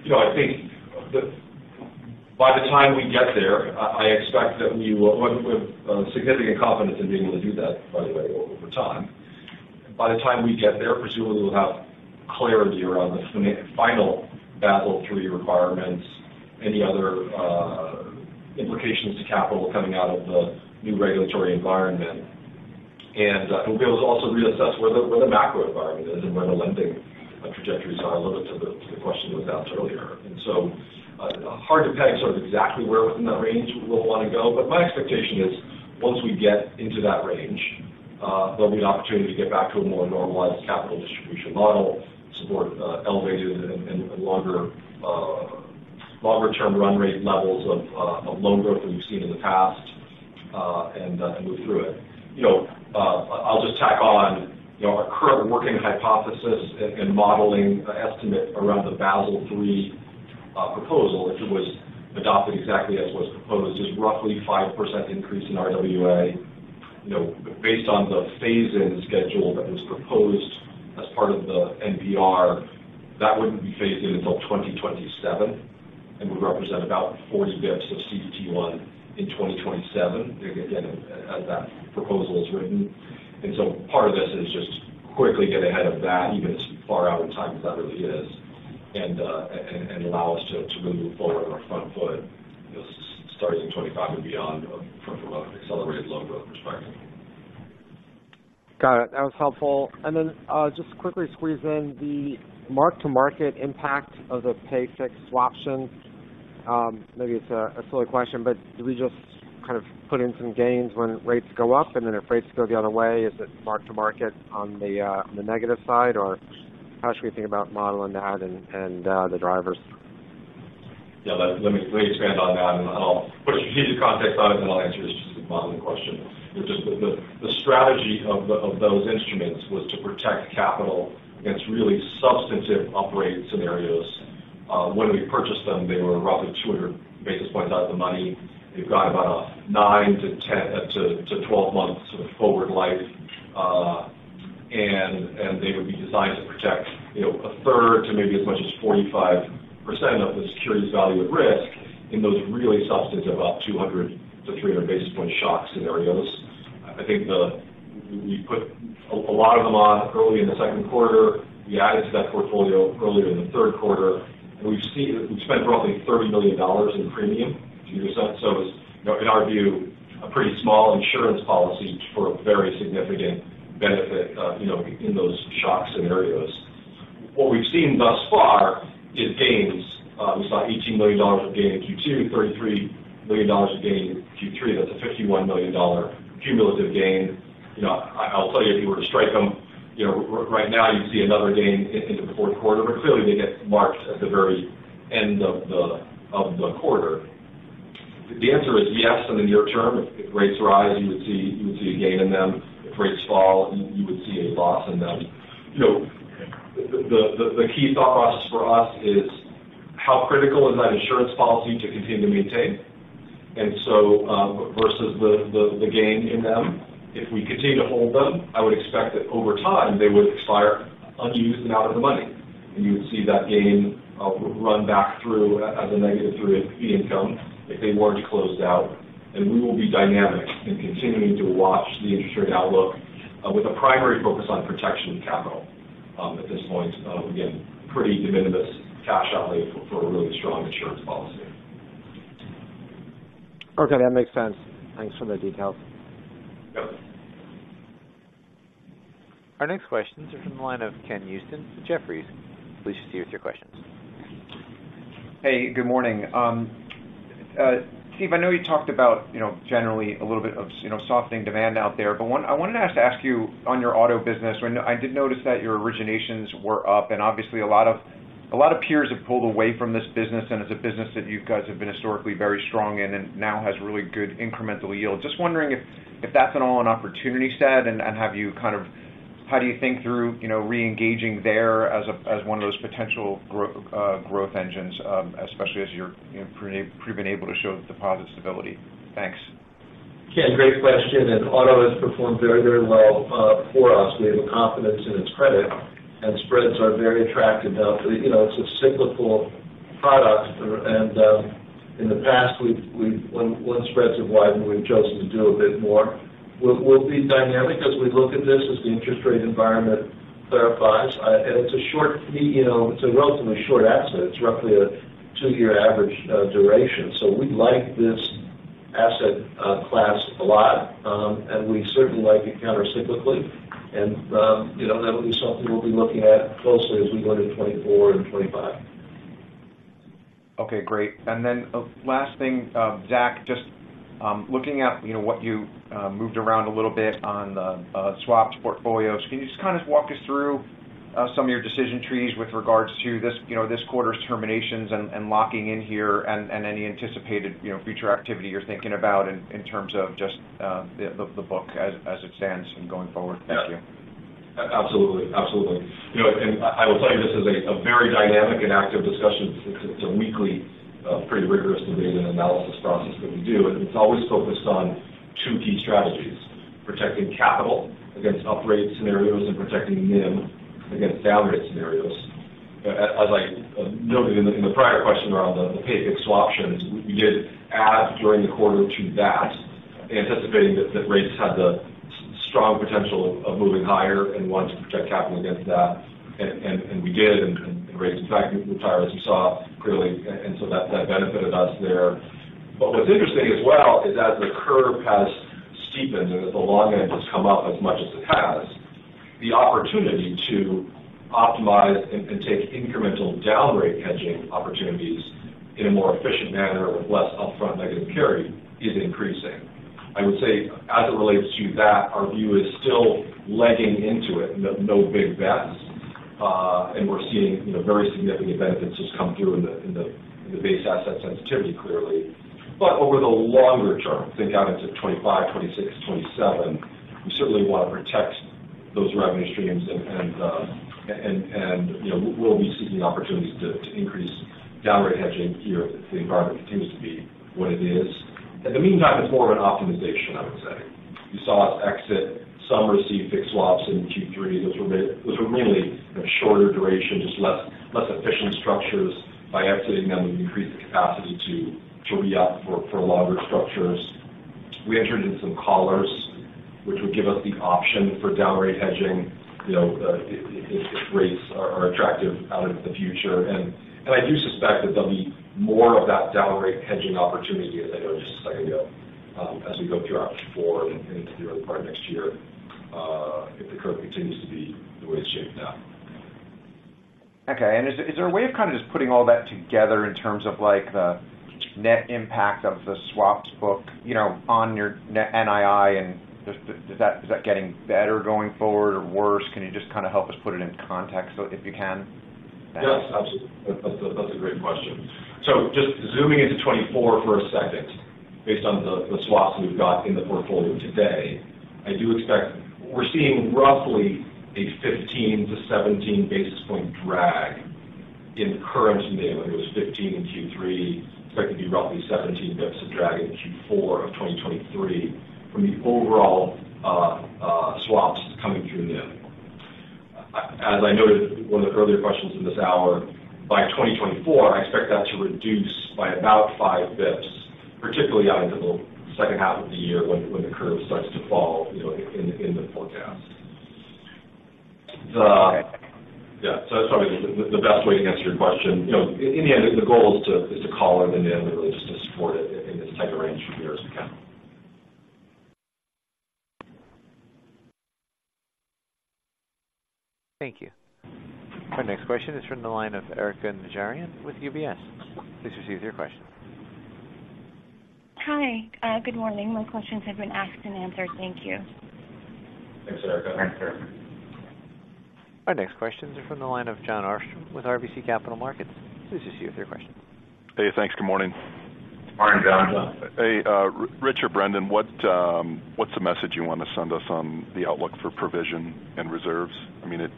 You know, I think that by the time we get there, I expect that we will with significant confidence in being able to do that, by the way, over time. By the time we get there, presumably, we'll have clarity around the final Basel III requirements, any other implications to capital coming out of the new regulatory environment. We'll be able to also reassess where the macro environment is and where the lending trajectories are, a little to the question you asked earlier. Hard to peg sort of exactly where within that range we will want to go, but my expectation is once we get into that range, there'll be an opportunity to get back to a more normalized capital distribution model, support elevated and longer-term run rate levels of loan growth than we've seen in the past and move through it. You know, I'll just tack on, you know, our current working hypothesis and modeling estimate around the Basel III proposal, if it was adopted exactly as was proposed, is roughly 5% increase in RWA. You know, based on the phase-in schedule that was proposed as part of the NPR, that wouldn't be phased in until 2027 and would represent about 40 basis points of CET1 in 2027, again, as that proposal is written. Part of this is just quickly get ahead of that, even as far out in time as that really is, and allow us to really move forward on our front foot, you know, starting in 2025 and beyond from an accelerated loan growth perspective. Got it. That was helpful. Just quickly squeeze in the mark-to-market impact of the pay fixed swaption. Maybe it's a silly question, but do we just kind of put in some gains when rates go up, and then if rates go the other way, is it mark-to-market on the negative side, or how should we think about modeling that and the drivers? Yeah, let me expand on that, and I'll put a strategic context on it, and then I'll answer this just a modeling question. Just the strategy of those instruments was to protect capital against really substantive up-rate scenarios. When we purchased them, they were roughly 200 basis points out of the money. They've got about a nine to 10 to 12-month sort of forward life. And they would be designed to protect, you know, a third to maybe as much as 45% of the security's value at risk in those really substantive, about 200 basis point-300 basis point shock scenarios. I think we put a lot of them on early in the second quarter. We added to that portfolio earlier in the third quarter, and we've seen... We've spent roughly $30 million in premium to do so. It's, in our view, a pretty small insurance policy for a very significant benefit, you know, in those shock scenarios. What we've seen thus far is gains. We saw $18 million of gain in Q2, $33 million of gain in Q3. That's a $51 million cumulative gain. You know, I'll tell you, if you were to strike them, you know, right now, you'd see another gain in the fourth quarter, but clearly, they get marked at the very end of the quarter. The answer is yes, in the near term, if rates rise, you would see a gain in them. If rates fall, you would see a loss in them. You know, the key thought process for us is how critical is that insurance policy to continue to maintain? Versus the gain in them, if we continue to hold them, I would expect that over time, they would expire unused and out of the money, and you would see that gain run back through as a negative through the income if they weren't closed out. We will be dynamic in continuing to watch the interest rate outlook with a primary focus on protection of capital at this point. Again, pretty de minimis cash outlay for a really strong insurance policy. Okay, that makes sense. Thanks for the details. Yep. Our next questions are from the line of Ken Usdin from Jefferies. Please proceed with your questions. Ken, great question. Auto has performed very, very well for us. We have a confidence in its credit, and spreads are very attractive now. You know, it's a cyclical product, and in the past, when spreads have widened, we've chosen to do a bit more. We'll be dynamic as we look at this, as the interest rate environment clarifies. It's a short, you know, it's a relatively short asset. It's roughly a two-year average duration. We like this asset class a lot, and we certainly like it countercyclically, and, you know, that'll be something we'll be looking at closely as we go to 2024 and 2025. Okay, great. Last thing, Zach, just looking at, you know, what you moved around a little bit on the swaps portfolios, can you just kind of walk us through some of your decision trees with regards to, you know, this quarter's terminations and locking in here, and any anticipated, you know, future activity you're thinking about in terms of just the book as it stands and going forward? Thank you. Absolutely. Absolutely. You know, I will tell you, this is a very dynamic and active discussion. It's a weekly, pretty rigorous and rigorous analysis process that we do, and it's always focused on 2 key strategies: protecting capital against upgrade scenarios and protecting NIM against downgrade scenarios. As I noted in the prior question around the pay fixed swaptions, we did add during the quarter to that, anticipating that rates had the strong potential of moving higher and wanted to protect capital against that. We did, and rates, in fact, moved higher, as you saw, clearly, and so that benefited us there. What's interesting as well is as the curve has steepened and as the long end has come up as much as it has, the opportunity to optimize and take incremental down rate hedging opportunities in a more efficient manner with less upfront negative carry is increasing. I would say, as it relates to that, our view is still legging into it, no big bets, and we're seeing, you know, very significant benefits just come through in the base asset sensitivity, clearly. Over the longer term, think out into 2025, 2026, 2027, we certainly want to protect those revenue streams, and, you know, we'll be seeking opportunities to increase down rate hedging here, if the environment continues to be what it is. In the meantime, it's more of an optimization, I would say. You saw us exit some Receive Fixed Swaps in Q3. Those were mainly shorter duration, just less efficient structures. By exiting them, we increased the capacity to re-up for longer structures. We entered into some collars, which would give us the option for down-rate hedging. You know, if rates are attractive out into the future. I do suspect that there'll be more of that down-rate hedging opportunity as I noted just a second ago, as we go through our Q4 and into the early part of next year if the curve continues to be the way it's shaped now. Okay. Is there a way of kind of just putting all that together in terms of, like, the net impact of the swaps book, you know, on your net NII? Does that, is that getting better going forward or worse? Can you just kind of help us put it in context, so if you can? Yes, absolutely. That's a great question. Just zooming into 2024 for a second, based on the swaps we've got in the portfolio today, I do expect we're seeing roughly a 15-17 basis point drag in the current NIM. It was 15 in Q3, expect to be roughly 17 basis points of drag in Q4 of 2023 from the overall swaps coming through NIM. As I noted, one of the earlier questions in this hour, by 2024, I expect that to reduce by about 5 basis points, particularly out into the second half of the year when the curve starts to fall, you know, in the forecast. Yeah, so that's probably the best way to answer your question. You know, in the end, the goal is to call it, and then really just to support it in this type of range for the year as we can. Thank you. Our next question is from the line of Erika Najarian with UBS. Please receive your question. Hi. Good morning. My questions have been asked and answered. Thank you. Thanks, Erika. Our next question is from the line of Jon Arfstrom with RBC Capital Markets. Please proceed with your question. Hey, thanks. Good morning. Good morning, Jon. Hey, Rich or Brendan, what's the message you want to send us on the outlook for provision and reserves? I mean, it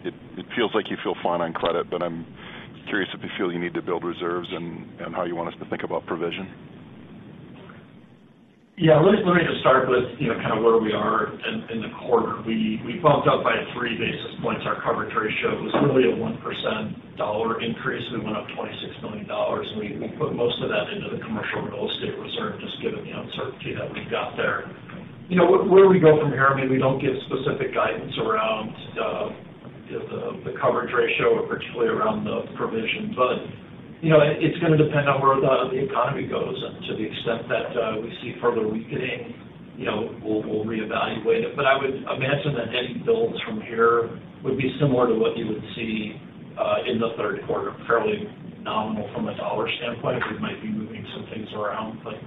feels like you feel fine on credit, but I'm curious if you feel you need to build reserves and how you want us to think about provision. Yeah, let me just start with, you know, kind of where we are in the quarter. We bumped up by three basis points. Our coverage ratio was really a 1% dollar increase. We went up $26 million. We put most of that into the commercial real estate reserve, just given the uncertainty that we've got there. You know, where we go from here, I mean, we don't give specific guidance around the coverage ratio or particularly around the provision, but, you know, it's going to depend on where a lot of the economy goes. To the extent that we see further weakening, you know, we'll reevaluate it. I would imagine that any builds from here would be similar to what you would see in the third quarter, fairly nominal from a dollar standpoint. We might be moving some things around, but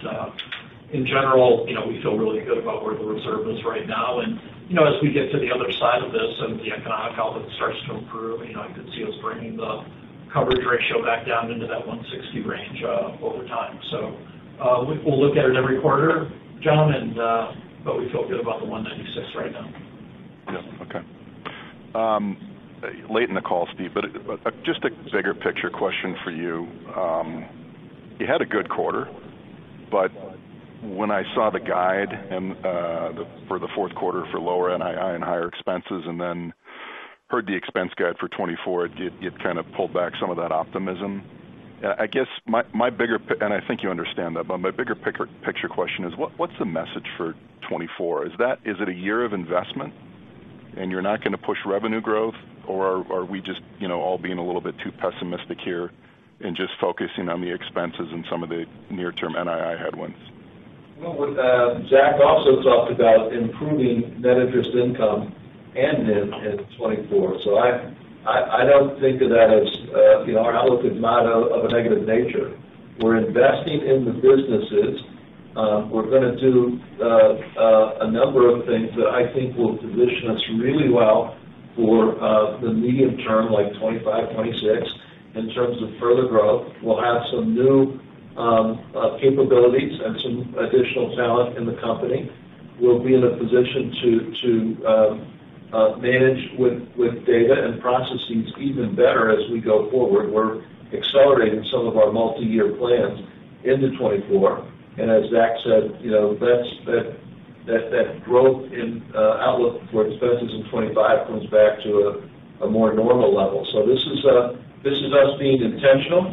in general, you know, we feel really good about where the reserve is right now. You know, as we get to the other side of this and the economic outlook starts to improve, you know, you can see us bringing the coverage ratio back down into that 160 range over time. We'll look at it every quarter, Jon, but we feel good about the 196 right now. Well This is us being intentional,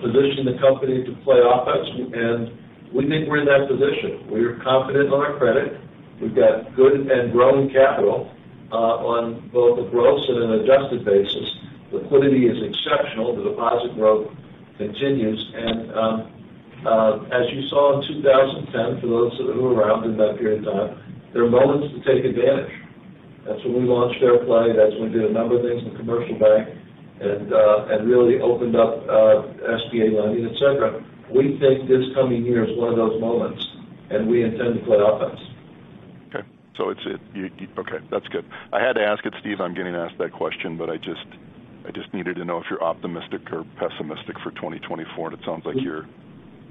positioning the company to play offense, and we think we're in that position. We are confident on our credit. We've got good and growing capital on both a gross and an adjusted basis. Liquidity is exceptional. The deposit growth continues. As you saw in 2010, for those who were around in that period of time, there are moments to take advantage. That's when we launched Fair Play, that's when we did a number of things in commercial bank and really opened up SBA lending, et cetera. We think this coming year is one of those moments, and we intend to play offense. Okay. That's good. I had to ask it, Steve. I'm getting asked that question, but I just needed to know if you're optimistic or pessimistic for 2024, and it sounds like you're.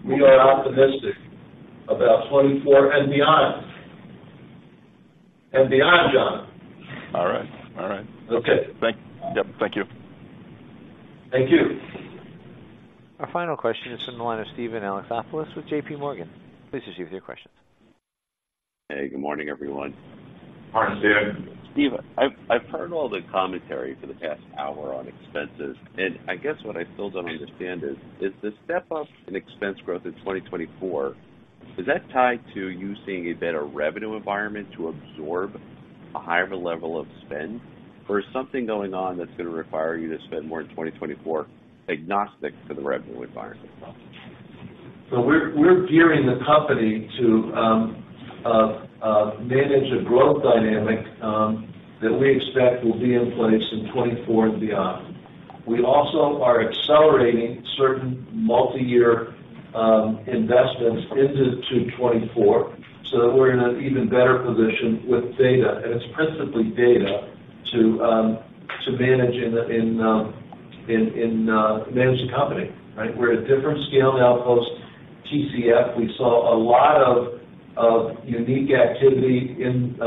We are optimistic about 2024 and beyond. And beyond, Jon. All right. All right Yep, thank you. Thank you. Our final question is from the line of Steven Alexopoulos with JP Morgan. Please proceed with your questions. Hey, good morning, everyone. Hi, Steve. Steve, I've heard all the commentary for the past hour on expenses, and I guess what I still don't understand is the step up in expense growth in 2024, is that tied to you seeing a better revenue environment to absorb a higher level of spend? Or is something going on that's going to require you to spend more in 2024, agnostic to the revenue environment? We're gearing the company to manage a growth dynamic that we expect will be in place in 2024 and beyond. We also are accelerating certain multi-year investments into 2024, so that we're in an even better position with data, and it's principally data, to manage the company, right? We're at a different scale now, post TCF. We saw a lot of unique activity in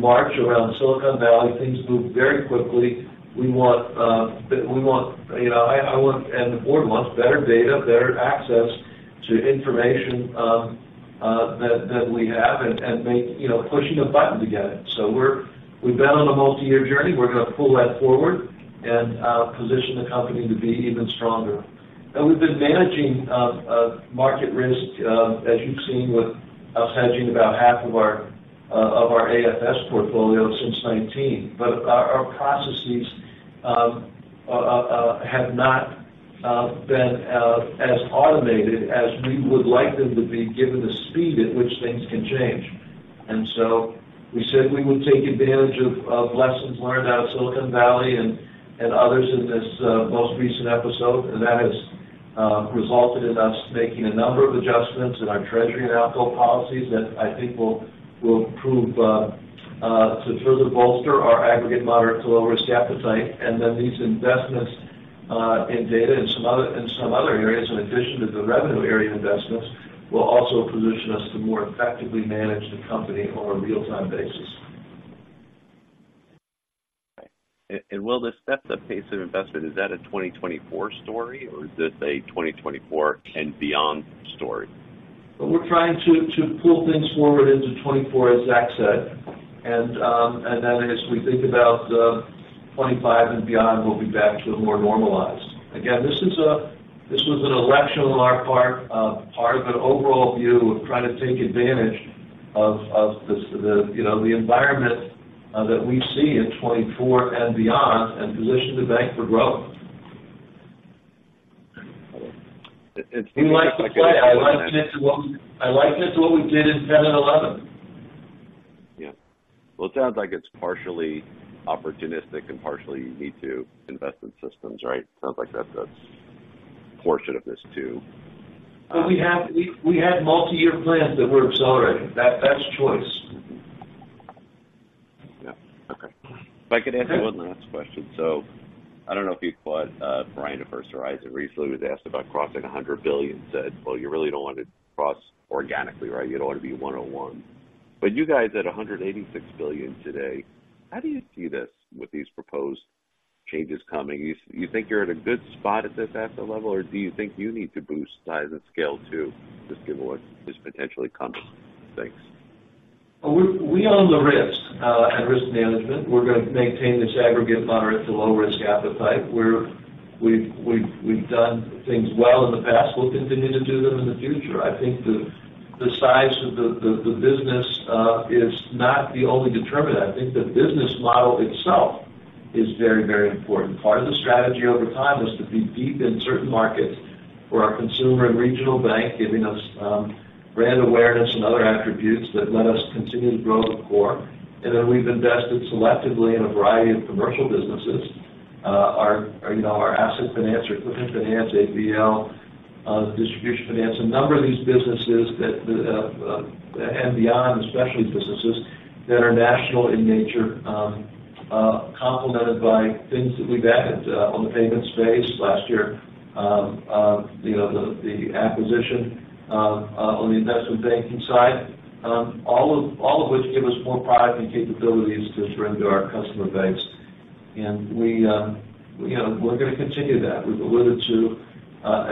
March around Silicon Valley. Things moved very quickly. We want, you know, I want, and the board wants better data, better access to information that we have and make, you know, pushing a button to get it. We've been on a multi-year journey. We're going to pull that forward and position the company to be even stronger. We've been managing market risk as you've seen with us hedging about half of our AFS portfolio since 2019. Our processes have not been as automated as we would like them to be, given the speed at which things can change. We said we would take advantage of lessons learned out of Silicon Valley and others in this most recent episode, and that has resulted in us making a number of adjustments in our treasury and ALCO policies that I think will prove to further bolster our aggregate moderate to low risk appetite. These investments in data and some other areas, in addition to the revenue area investments, will also position us to more effectively manage the company on a real-time basis. Will this step-up pace of investment, is that a 2024 story, or is this a 2024 and beyond story? Well, we're trying to pull things forward into 2024, as Zach said, and then as we think about 2025 and beyond, we'll be back to a more normalized. Again, this was an election on our part, part of an overall view of trying to take advantage of the, you know, the environment that we see in 2024 and beyond, and position the bank for growth. It seems like. I liken it to what we did in 2007-2011. Yeah. Well, it sounds like it's partially opportunistic and partially you need to invest in systems, right? Sounds like that's a portion of this, too. We had multi-year plans that we're accelerating. That's choice. Yeah. Okay. If I could ask you one last question. I don't know if you caught Bryan of Horizon recently was asked about crossing $100 billion, said, "Well, you really don't want to cross organically, right? You'd want to be $101 billion." You guys, at $186 billion today, how do you see this with these proposed changes coming? You think you're at a good spot at this asset level, or do you think you need to boost size and scale too, to see what this potentially comes? Thanks. We own the risk at risk management. We're going to maintain this aggregate moderate to low risk appetite. We've done things well in the past. We'll continue to do them in the future. I think the size of the business is not the only determinant. I think the business model itself is very, very important. Part of the strategy over time is to be deep in certain markets for our consumer and regional bank, giving us brand awareness and other attributes that let us continue to grow the core. We've invested selectively in a variety of commercial businesses. Our, you know, our asset finance, equipment finance, ABL, distribution finance, a number of these businesses and beyond, especially businesses that are national in nature, complemented by things that we've added on the payments space last year. You know, the acquisition on the investment banking side, all of which give us more product and capabilities to bring to our customer base. We, you know, we're going to continue that. We've alluded to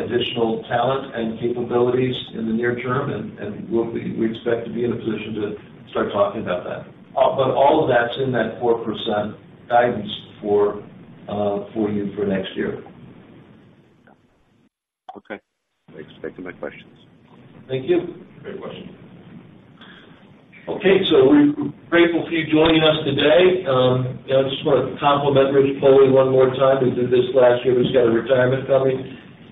additional talent and capabilities in the near term, and we expect to be in a position to start talking about that. All of that's in that 4% guidance for you for next year. Okay. Thanks. Thank you for my questions. Thank you. Great question. We're grateful for you joining us today. I just want to compliment Rich Pohle one more time, who did this last year, who's got a retirement coming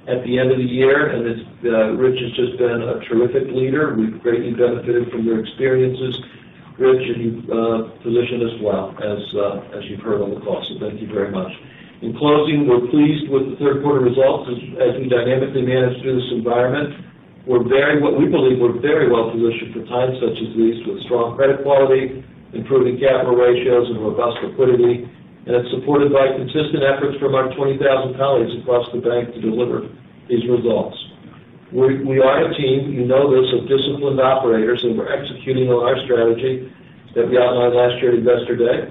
at the end of the year. Rich has just been a terrific leader, and we've greatly benefited from your experiences, Rich, and you've positioned us well, as you've heard on the call. Thank you very much. In closing, we're pleased with the third quarter results as we dynamically manage through this environment. We believe we're very well positioned for times such as these, with strong credit quality, improving capital ratios and robust liquidity, and it's supported by consistent efforts from our 20,000 colleagues across the bank to deliver these results. We are a team, you know this, of disciplined operators, and we're executing on our strategy that we outlined last year at Investor Day,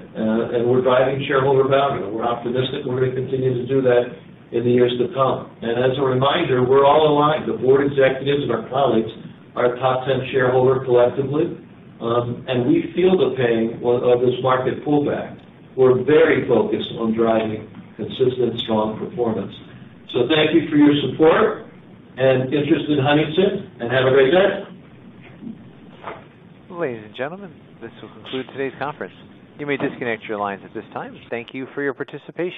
and we're driving shareholder value. We're optimistic we're going to continue to do that in the years to come. As a reminder, we're all aligned. The Board executives and our colleagues are a top 10 shareholder collectively, and we feel the pain of this market pullback. We're very focused on driving consistent, strong performance. Thank you for your support and interest in Huntington, and have a great day. Ladies and gentlemen, this will conclude today's conference. You may disconnect your lines at this time. Thank you for your participation.